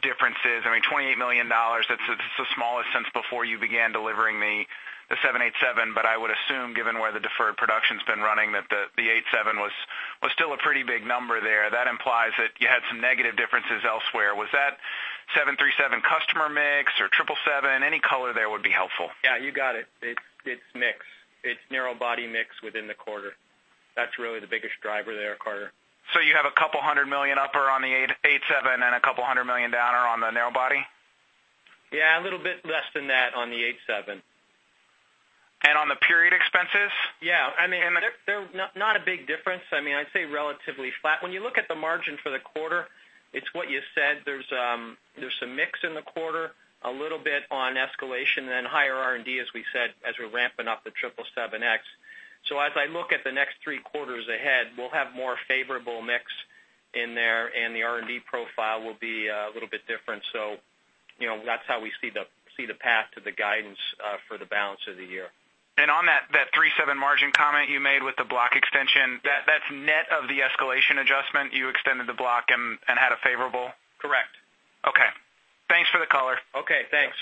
differences. I mean, $28 million, that's the smallest since before you began delivering the 787, but I would assume, given where the deferred production's been running, that the 87 was still a pretty big number there. That implies that you had some negative differences elsewhere. Was that 737 customer mix or 777? Any color there would be helpful. Yeah, you got it. It's mix. It's narrow body mix within the quarter. That's really the biggest driver there, Carter. You have a couple hundred million upper on the 87 and a couple hundred million downer on the narrow body? Yeah, a little bit less than that on the 787. On the period expenses? Yeah. They're not a big difference. I'd say relatively flat. When you look at the margin for the quarter, it's what you said. There's some mix in the quarter, a little bit on escalation and then higher R&D, as we said, as we're ramping up the 777X. As I look at the next three quarters ahead, we'll have more favorable mix in there, and the R&D profile will be a little bit different. That's how we see the path to the guidance for the balance of the year. On that 737 margin comment you made with the block extension? Yeah. That's net of the escalation adjustment. You extended the block and had a favorable? Correct. Okay. Thanks for the color. Okay, thanks.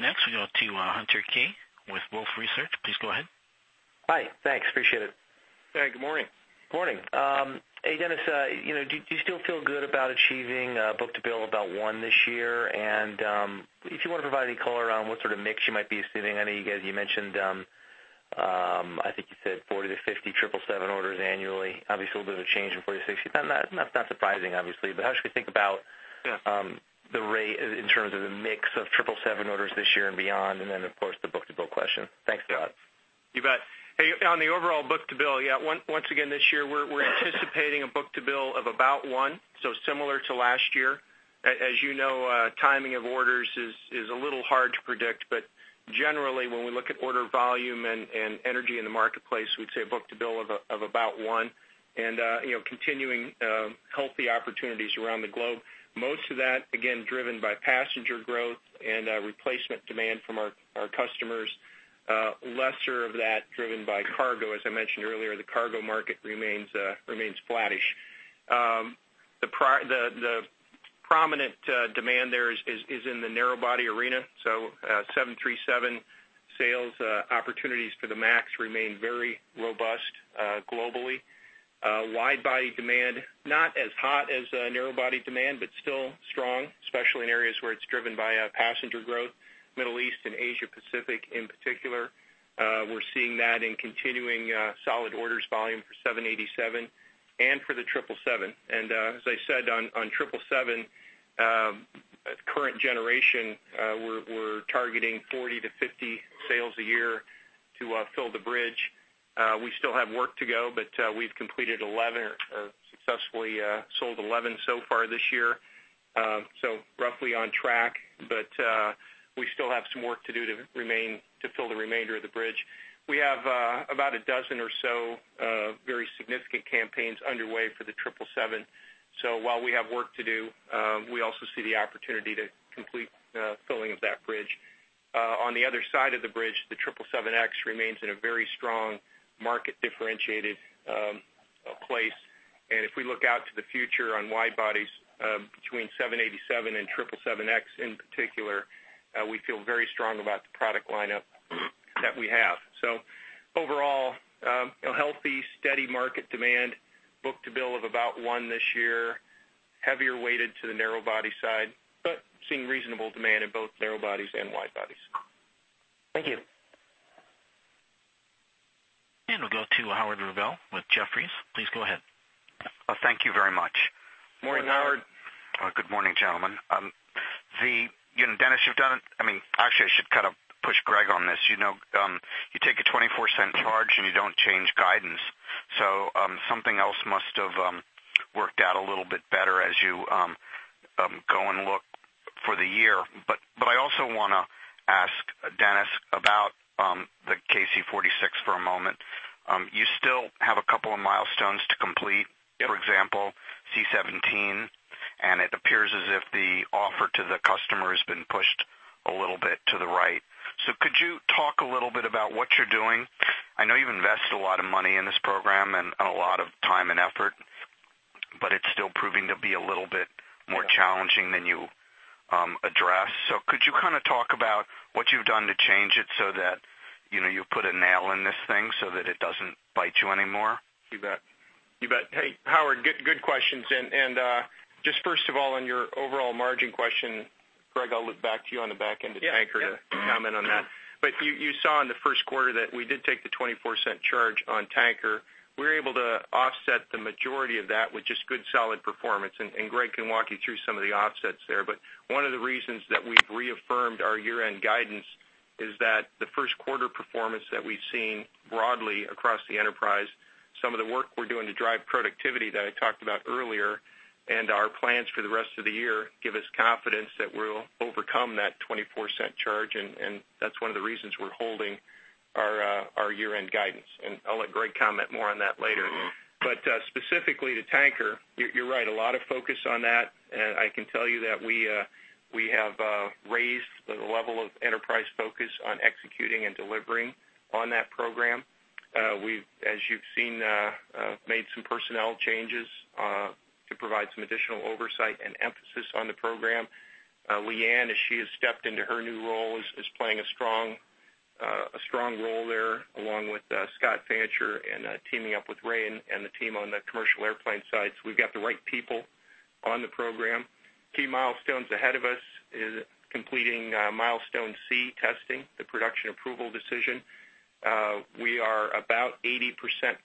Next, we go to Hunter Keay with Wolfe Research. Please go ahead. Hi. Thanks. Appreciate it. Hey, good morning. Morning. Hey, Dennis, do you still feel good about achieving book-to-bill about one this year? If you want to provide any color around what sort of mix you might be assuming. I know you guys, you mentioned, I think you said 40 to 50 777 orders annually. Obviously, a little bit of a change in 40, 60. That's not surprising, obviously. How should we think about Yeah the rate in terms of the mix of 777 orders this year and beyond, then of course, the book-to-bill question. Thanks, guys. You bet. On the overall book to bill, once again, this year, we're anticipating a book to bill of about one, so similar to last year. As you know, timing of orders is a little hard to predict, but generally when we look at order volume and energy in the marketplace, we'd say book to bill of about one. Continuing healthy opportunities around the globe. Most of that, again, driven by passenger growth and replacement demand from our customers. Lesser of that driven by cargo. As I mentioned earlier, the cargo market remains flattish. The prominent demand there is in the narrow body arena, so 737 sales opportunities for the MAX remain very robust globally. Wide body demand, not as hot as narrow body demand, but still strong, especially in areas where it's driven by passenger growth, Middle East and Asia Pacific in particular. We're seeing that in continuing solid orders volume for 787 and for the 777. As I said on 777, current generation, we're targeting 40 to 50 sales a year to fill the bridge. We still have work to go, but we've completed 11 or successfully sold 11 so far this year. Roughly on track, but we still have some work to do to fill the remainder of the bridge. We have about a dozen or so very significant campaigns underway for the 777. While we have work to do, we also see the opportunity to complete filling of that bridge. On the other side of the bridge, the 777X remains in a very strong market differentiated place. If we look out to the future on wide bodies, between 787 and 777X in particular, we feel very strong about the product lineup that we have. Overall, a healthy, steady market demand, book to bill of about one this year, heavier weighted to the narrow body side, but seeing reasonable demand in both narrow bodies and wide bodies. Thank you. We'll go to Howard Ungerleider with Jefferies. Please go ahead. Thank you very much. Morning, Howard. Good morning, gentlemen. Dennis, you've done it. Actually, I should push Greg on this. You take a $0.24 charge, you don't change guidance. Something else must have worked out a little bit better as you go and look for the year. I also want to ask Dennis about the KC-46 for a moment. You still have a couple of milestones to complete. Yep. It appears as if the offer to the customer has been pushed a little bit to the right. Could you talk a little bit about what you're doing? I know you've invested a lot of money in this program and a lot of time and effort, but it's still proving to be a little bit more challenging than you addressed. Could you talk about what you've done to change it so that you put a nail in this thing so that it doesn't bite you anymore? You bet. Hey, Howard, good questions. Just first of all, on your overall margin question, Greg, I'll look back to you on the back end of Tanker to comment on that. You saw in the first quarter that we did take the $0.24 charge on Tanker. We were able to offset the majority of that with just good, solid performance. Greg can walk you through some of the offsets there. One of the reasons that we've reaffirmed our year-end guidance is that the first quarter performance that we've seen broadly across the enterprise, some of the work we're doing to drive productivity that I talked about earlier, and our plans for the rest of the year give us confidence that we'll overcome that $0.24 charge, and that's one of the reasons we're holding our year-end guidance. I'll let Greg comment more on that later. Specifically to Tanker, you're right. A lot of focus on that, and I can tell you that we have raised the level of enterprise focus on executing and delivering on that program. We've, as you've seen, made some personnel changes to provide some additional oversight and emphasis on the program. Leanne, as she has stepped into her new role, is playing a strong role there, along with Scott Fancher and teaming up with Ray and the team on the Commercial Airplane side. We've got the right people on the program. Key milestones ahead of us is completing Milestone C testing, the production approval decision. We are about 80%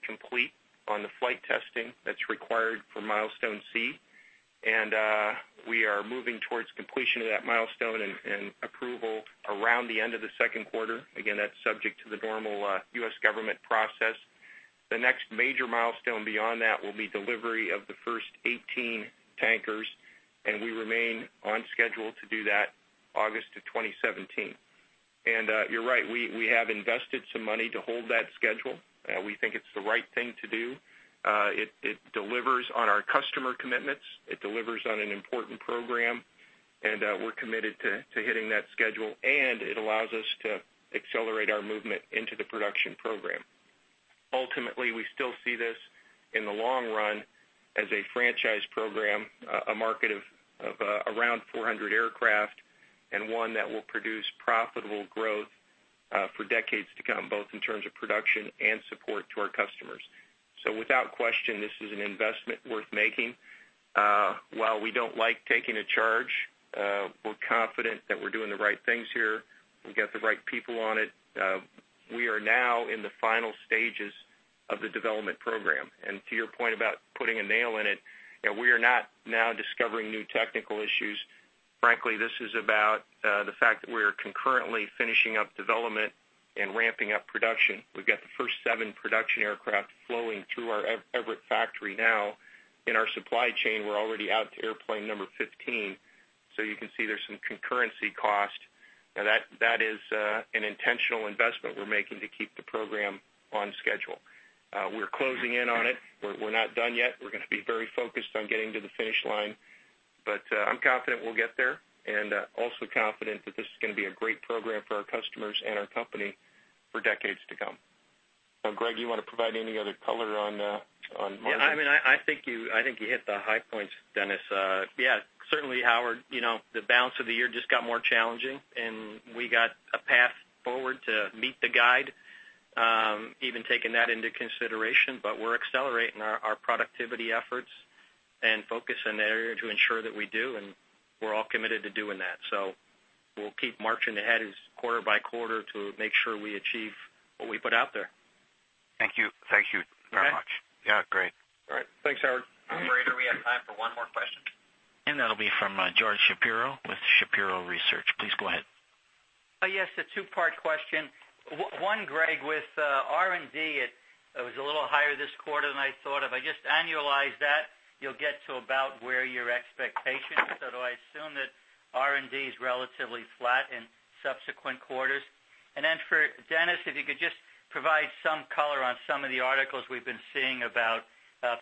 complete on the flight testing that's required for Milestone C. We are moving towards completion of that milestone and approval around the end of the second quarter. Again, that's subject to the normal U.S. government process. The next major milestone beyond that will be delivery of the first 18 Tankers, and we remain on schedule to do that August of 2017. You're right, we have invested some money to hold that schedule. We think it's the right thing to do. It delivers on our customer commitments. It delivers on an important program, and we're committed to hitting that schedule, and it allows us to accelerate our movement into the production program. Ultimately, we still see this, in the long run, as a franchise program, a market of around 400 aircraft, and one that will produce profitable growth for decades to come, both in terms of production and support to our customers. Without question, this is an investment worth making. While we don't like taking a charge, we're confident that we're doing the right things here. We've got the right people on it. We are now in the final stages of the development program. To your point about putting a nail in it, we are not now discovering new technical issues. Frankly, this is about the fact that we are concurrently finishing up development and ramping up production. We've got the first seven production aircraft flowing through our Everett factory now. In our supply chain, we're already out to airplane number 15. You can see there's some concurrency cost. That is an intentional investment we're making to keep the program on schedule. We're closing in on it. We're not done yet. We're going to be very focused on getting to the finish line. I'm confident we'll get there, and also confident that this is going to be a great program for our customers and our company for decades to come. Greg, you want to provide any other color on margins? I think you hit the high points, Dennis. Certainly, Howard, the balance of the year just got more challenging, we got a path forward to meet the guide, even taking that into consideration. We're accelerating our productivity efforts and focus in that area to ensure that we do, and we're all committed to doing that. We'll keep marching ahead as quarter by quarter to make sure we achieve what we put out there. Thank you. Thank you very much. Okay. Yeah, great. All right. Thanks, Howard. Operator, we have time for one more question. That'll be from George Shapiro with Shapiro Research. Please go ahead. Yes, a two-part question. One, Greg, with R&D, it was a little higher this quarter than I thought. If I just annualize that, you'll get to about where your expectations. Do I assume that R&D is relatively flat in subsequent quarters? For Dennis, if you could just provide some color on some of the articles we've been seeing about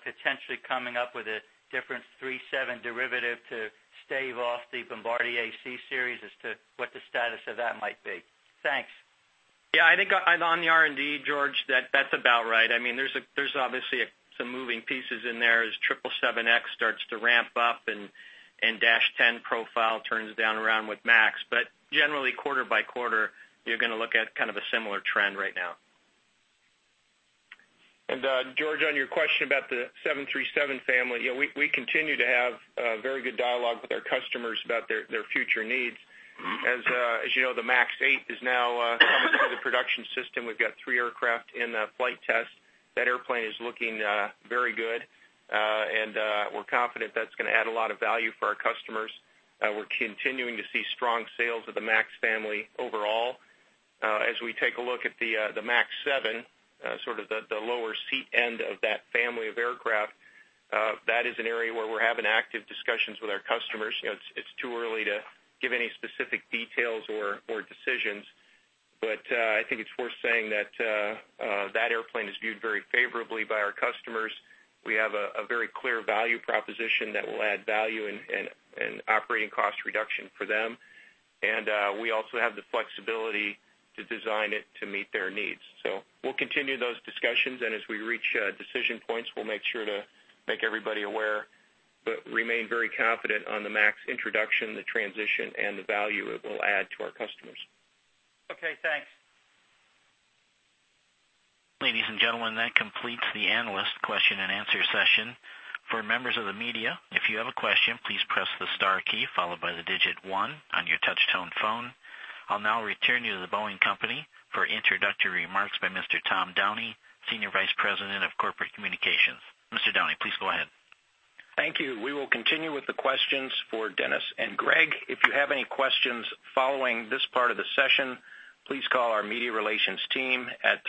potentially coming up with a different 737 derivative to stave off the Bombardier CSeries as to what the status of that might be. Thanks. I think on the R&D, George, that's about right. There's obviously some moving pieces in there as 777X starts to ramp up and Dash 10 profile turns down around with MAX. Generally, quarter by quarter, you're going to look at kind of a similar trend right now. George, on your question about the 737 family, we continue to have very good dialogue with our customers about their future needs. As you know, the MAX 8 is now coming through the production system. We've got three aircraft in flight test. That airplane is looking very good. We're confident that's going to add a lot of value for our customers. We're continuing to see strong sales of the MAX family overall. As we take a look at the MAX 7, sort of the lower seat end of that family of aircraft, that is an area where we're having active discussions with our customers. It's too early to give any specific details or decisions. I think it's worth saying that that airplane is viewed very favorably by our customers. We have a very clear value proposition that will add value and operating cost reduction for them. We also have the flexibility to design it to meet their needs. We'll continue those discussions, and as we reach decision points, we'll make sure to make everybody aware, but remain very confident on the MAX introduction, the transition, and the value it will add to our customers. Okay, thanks. Ladies and gentlemen, that completes the analyst question-and-answer session. For members of the media, if you have a question, please press the star key followed by the digit one on your touch-tone phone. I will now return you to The Boeing Company for introductory remarks by Mr. Tom Downey, Senior Vice President of Corporate Communications. Mr. Downey, please go ahead. Thank you. We will continue with the questions for Dennis and Greg. If you have any questions following this part of the session, please call our media relations team at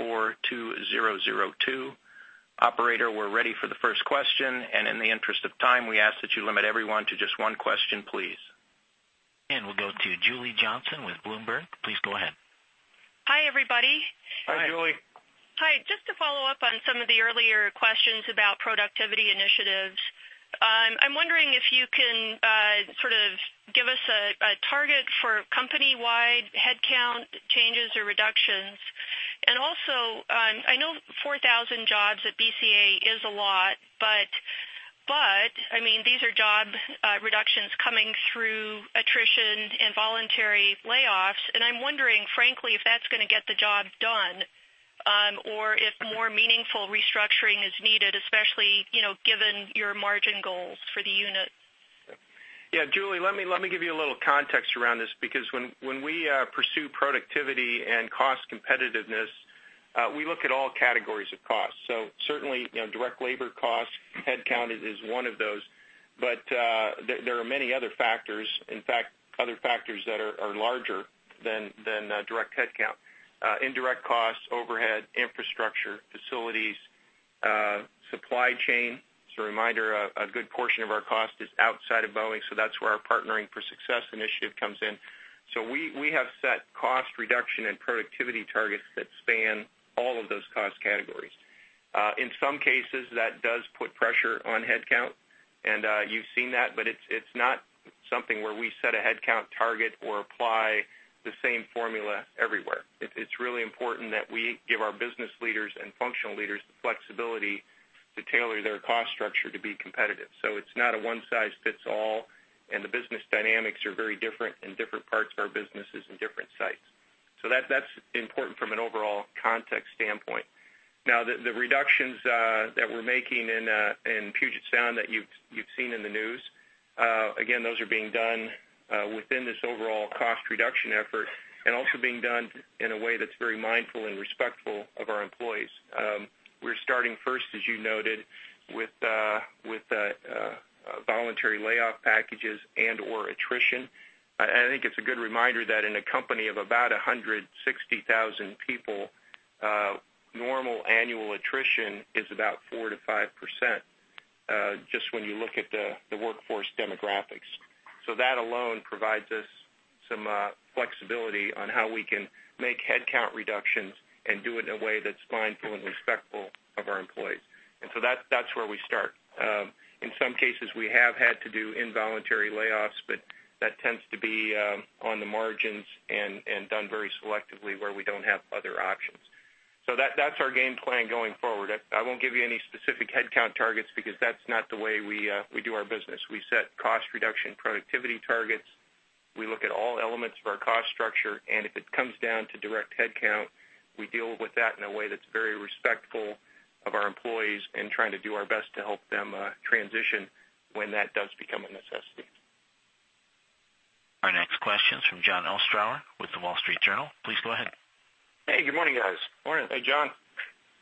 312-544-2002. Operator, we are ready for the first question. In the interest of time, we ask that you limit everyone to just one question, please. We will go to Julie Johnson with Bloomberg. Please go ahead. Hi, everybody. Hi. Hi, Julie. Hi. Just to follow up on some of the earlier questions about productivity initiatives. I'm wondering if you can give us a target for company-wide headcount changes or reductions, and also, I know 4,000 jobs at BCA is a lot, but these are job reductions coming through attrition and voluntary layoffs, and I'm wondering, frankly, if that's going to get the job done, or if more meaningful restructuring is needed, especially given your margin goals for the unit. Yeah, Julie, let me give you a little context around this, because when we pursue productivity and cost competitiveness, we look at all categories of costs. Certainly, direct labor cost, headcount is one of those, but there are many other factors. In fact, other factors that are larger than direct headcount. Indirect costs, overhead, infrastructure, facilities, supply chain. As a reminder, a good portion of our cost is outside of Boeing. That's where our Partnering for Success initiative comes in. We have set cost reduction and productivity targets that span all of those cost categories. In some cases, that does put pressure on headcount, and you've seen that, but it's not something where we set a headcount target or apply the same formula everywhere. It's really important that we give our business leaders and functional leaders the flexibility to tailor their cost structure to be competitive. It's not a one size fits all, the business dynamics are very different in different parts of our businesses and different sites. That's important from an overall context standpoint. Now, the reductions that we're making in Puget Sound that you've seen in the news, again, those are being done within this overall cost reduction effort and also being done in a way that's very mindful and respectful of our employees. We're starting first, as you noted, with voluntary layoff packages and/or attrition. I think it's a good reminder that in a company of about 160,000 people, normal annual attrition is about 4%-5%, just when you look at the workforce demographics. That alone provides us some flexibility on how we can make headcount reductions and do it in a way that's mindful and respectful of our employees. That's where we start. In some cases, we have had to do involuntary layoffs, that tends to be on the margins and done very selectively where we don't have other options. That's our game plan going forward. I won't give you any specific headcount targets because that's not the way we do our business. We set cost reduction productivity targets. We look at all elements of our cost structure, if it comes down to direct headcount, we deal with that in a way that's very respectful of our employees and trying to do our best to help them transition when that does become a necessity. Our next question is from Jon Ostrower with The Wall Street Journal. Please go ahead. Hey, good morning, guys. Morning. Hey, Jon.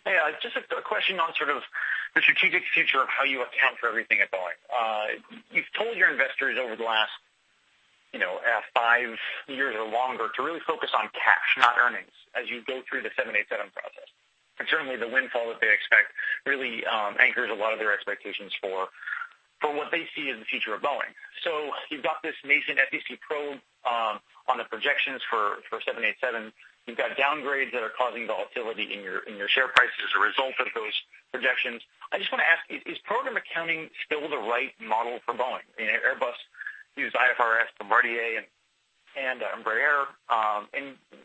Hey, just a question on sort of the strategic future of how you account for everything at Boeing. You've told your investors over the last five years or longer to really focus on cash, not earnings, as you go through the 787 process. Certainly, the windfall that they expect really anchors a lot of their expectations for what they see as the future of Boeing. You've got this nascent SEC probe on the projections for 787. You've got downgrades that are causing volatility in your share price as a result of those projections. I just want to ask, is program accounting still the right model for Boeing? Airbus use IFRS, Bombardier, and Embraer.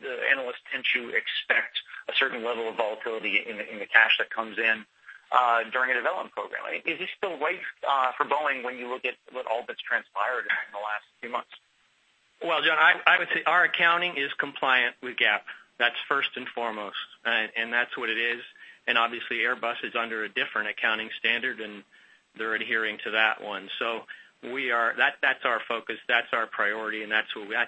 The analysts tend to expect a certain level of volatility in the cash that comes in during a development program. Is this still right for Boeing when you look at what all that's transpired in the last few months? Well, Jon, I would say our accounting is compliant with GAAP. That's first and foremost, and that's what it is. Obviously, Airbus is under a different accounting standard, and they're adhering to that one. That's our focus, that's our priority, and that's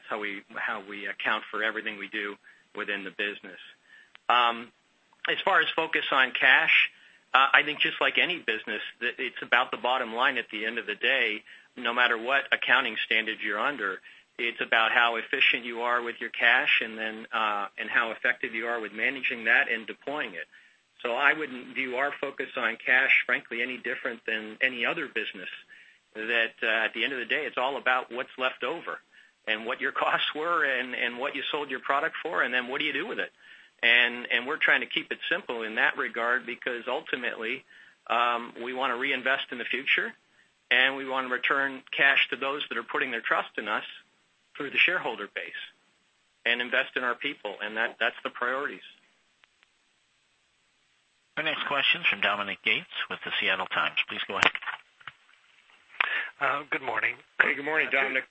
how we account for everything we do within the business. As far as focus on cash, I think just like any business, it's about the bottom line at the end of the day, no matter what accounting standard you're under. It's about how efficient you are with your cash and how effective you are with managing that and deploying it. I wouldn't view our focus on cash, frankly, any different than any other business that, at the end of the day, it's all about what's left over and what your costs were and what you sold your product for, and then what do you do with it. We're trying to keep it simple in that regard because ultimately, we want to reinvest in the future, and we want to return cash to those that are putting their trust in us through the shareholder base and invest in our people. That's the priorities. Our next question is from Dominic Gates with The Seattle Times. Please go ahead. Good morning. Hey, good morning, Dominic.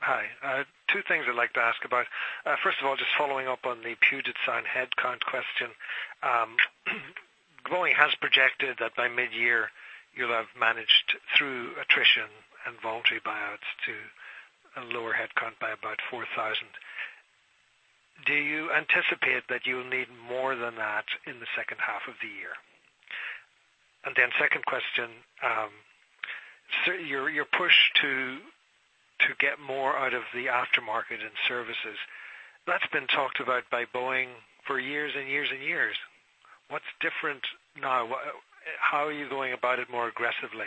Hi. Two things I'd like to ask about. First of all, just following up on the Puget Sound headcount question. Boeing has projected that by mid-year, you'll have managed through attrition and voluntary buyouts to a lower headcount by about 4,000. Do you anticipate that you'll need more than that in the second half of the year? Second question, your push to get more out of the aftermarket and services, that's been talked about by Boeing for years and years. What's different now? How are you going about it more aggressively?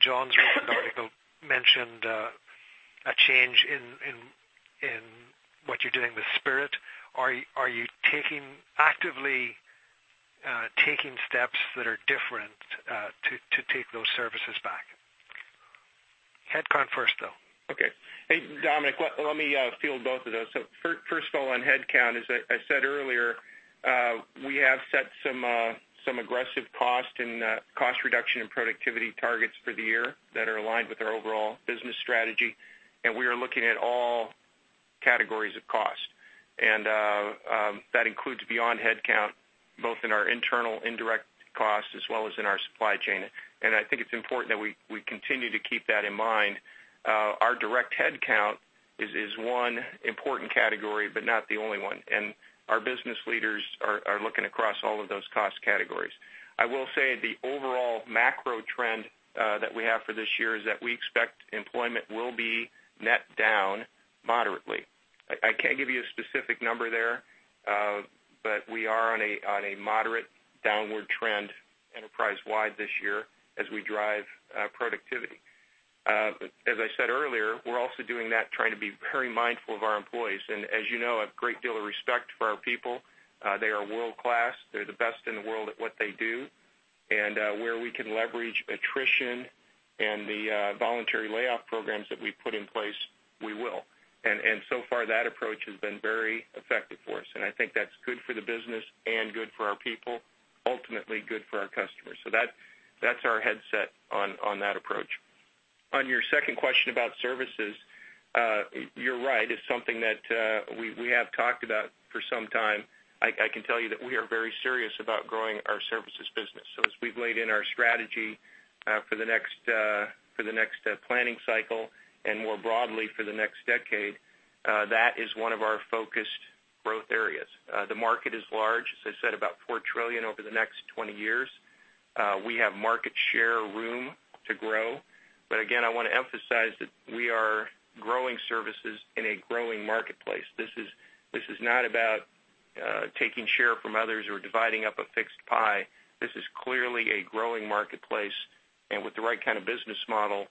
Jon's recent article mentioned a change in what you're doing with Spirit. Are you taking actively. Taking steps that are different to take those services back. Headcount first, though. Okay. Hey, Dominic, let me field both of those. First of all, on headcount, as I said earlier, we have set some aggressive cost reduction and productivity targets for the year that are aligned with our overall business strategy, and we are looking at all categories of cost. That includes beyond headcount, both in our internal indirect costs as well as in our supply chain. I think it's important that we continue to keep that in mind. Our direct headcount is one important category, but not the only one, and our business leaders are looking across all of those cost categories. I will say the overall macro trend that we have for this year is that we expect employment will be net down moderately. I can't give you a specific number there, but we are on a moderate downward trend enterprise-wide this year as we drive productivity. As I said earlier, we're also doing that, trying to be very mindful of our employees, and as you know, a great deal of respect for our people. They are world-class. They're the best in the world at what they do. Where we can leverage attrition and the voluntary layoff programs that we've put in place, we will. That approach has been very effective for us, and I think that's good for the business and good for our people, ultimately good for our customers. That's our mindset on that approach. On your second question about services, you're right. It's something that we have talked about for some time. I can tell you that we are very serious about growing our services business. As we've laid in our strategy for the next planning cycle and more broadly for the next decade, that is one of our focused growth areas. The market is large, as I said, about $4 trillion over the next 20 years. We have market share room to grow. Again, I want to emphasize that we are growing services in a growing marketplace. This is not about taking share from others or dividing up a fixed pie. This is clearly a growing marketplace, and with the right kind of business model,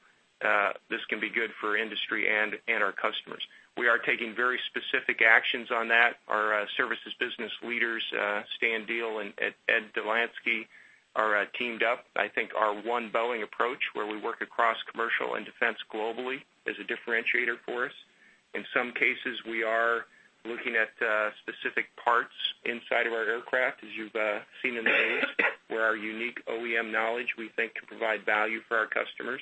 this can be good for industry and our customers. We are taking very specific actions on that. Our services business leaders, Stan Deal and Ed Dolanski, are teamed up. I think our One Boeing approach, where we work across commercial and defense globally, is a differentiator for us. In some cases, we are looking at specific parts inside of our aircraft, as you've seen in the news, where our unique OEM knowledge, we think, can provide value for our customers.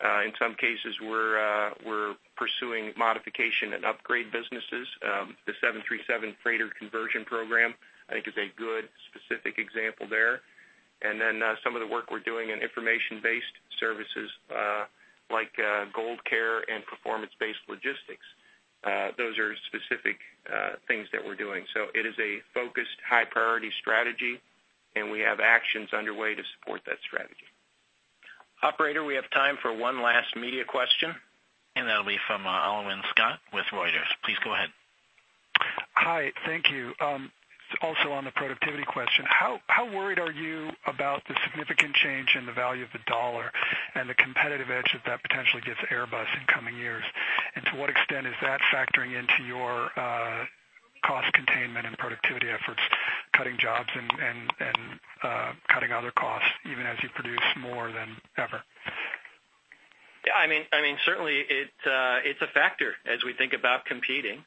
In some cases, we're pursuing modification and upgrade businesses. The 737 freighter conversion program I think is a good specific example there. Then some of the work we're doing in information-based services, like GoldCare and performance-based logistics. Those are specific things that we're doing. It is a focused, high-priority strategy, and we have actions underway to support that strategy. Operator, we have time for one last media question. That'll be from Alwyn Scott with Reuters. Please go ahead. Hi. Thank you. Also, on the productivity question, how worried are you about the significant change in the value of the dollar and the competitive edge that that potentially gives Airbus in coming years? To what extent is that factoring into your cost containment and productivity efforts, cutting jobs and cutting other costs even as you produce more than ever? Certainly, it's a factor as we think about competing,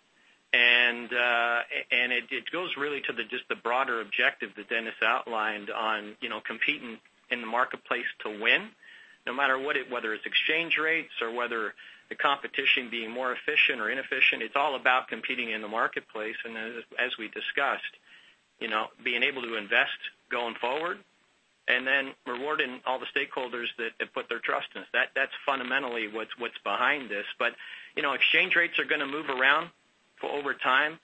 it goes really to just the broader objective that Dennis outlined on competing in the marketplace to win. No matter, whether it's exchange rates or whether the competition being more efficient or inefficient, it's all about competing in the marketplace. As we discussed, being able to invest going forward and then rewarding all the stakeholders that have put their trust in us. That's fundamentally what's behind this. Exchange rates are going to move around over time.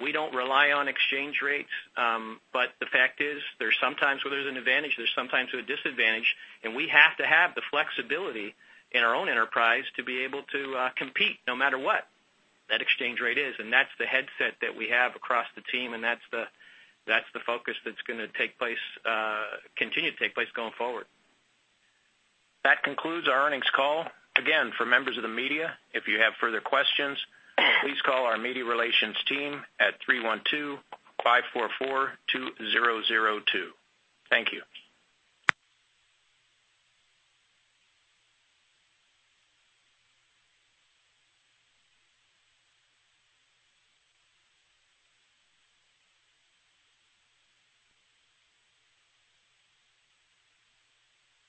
We don't rely on exchange rates, the fact is, there's some times where there's an advantage, there's some times with a disadvantage, we have to have the flexibility in our own enterprise to be able to compete no matter what that exchange rate is. That's the headset that we have across the team, that's the focus that's going to continue to take place going forward. That concludes our earnings call. Again, for members of the media, if you have further questions, please call our media relations team at 312-544-2002. Thank you.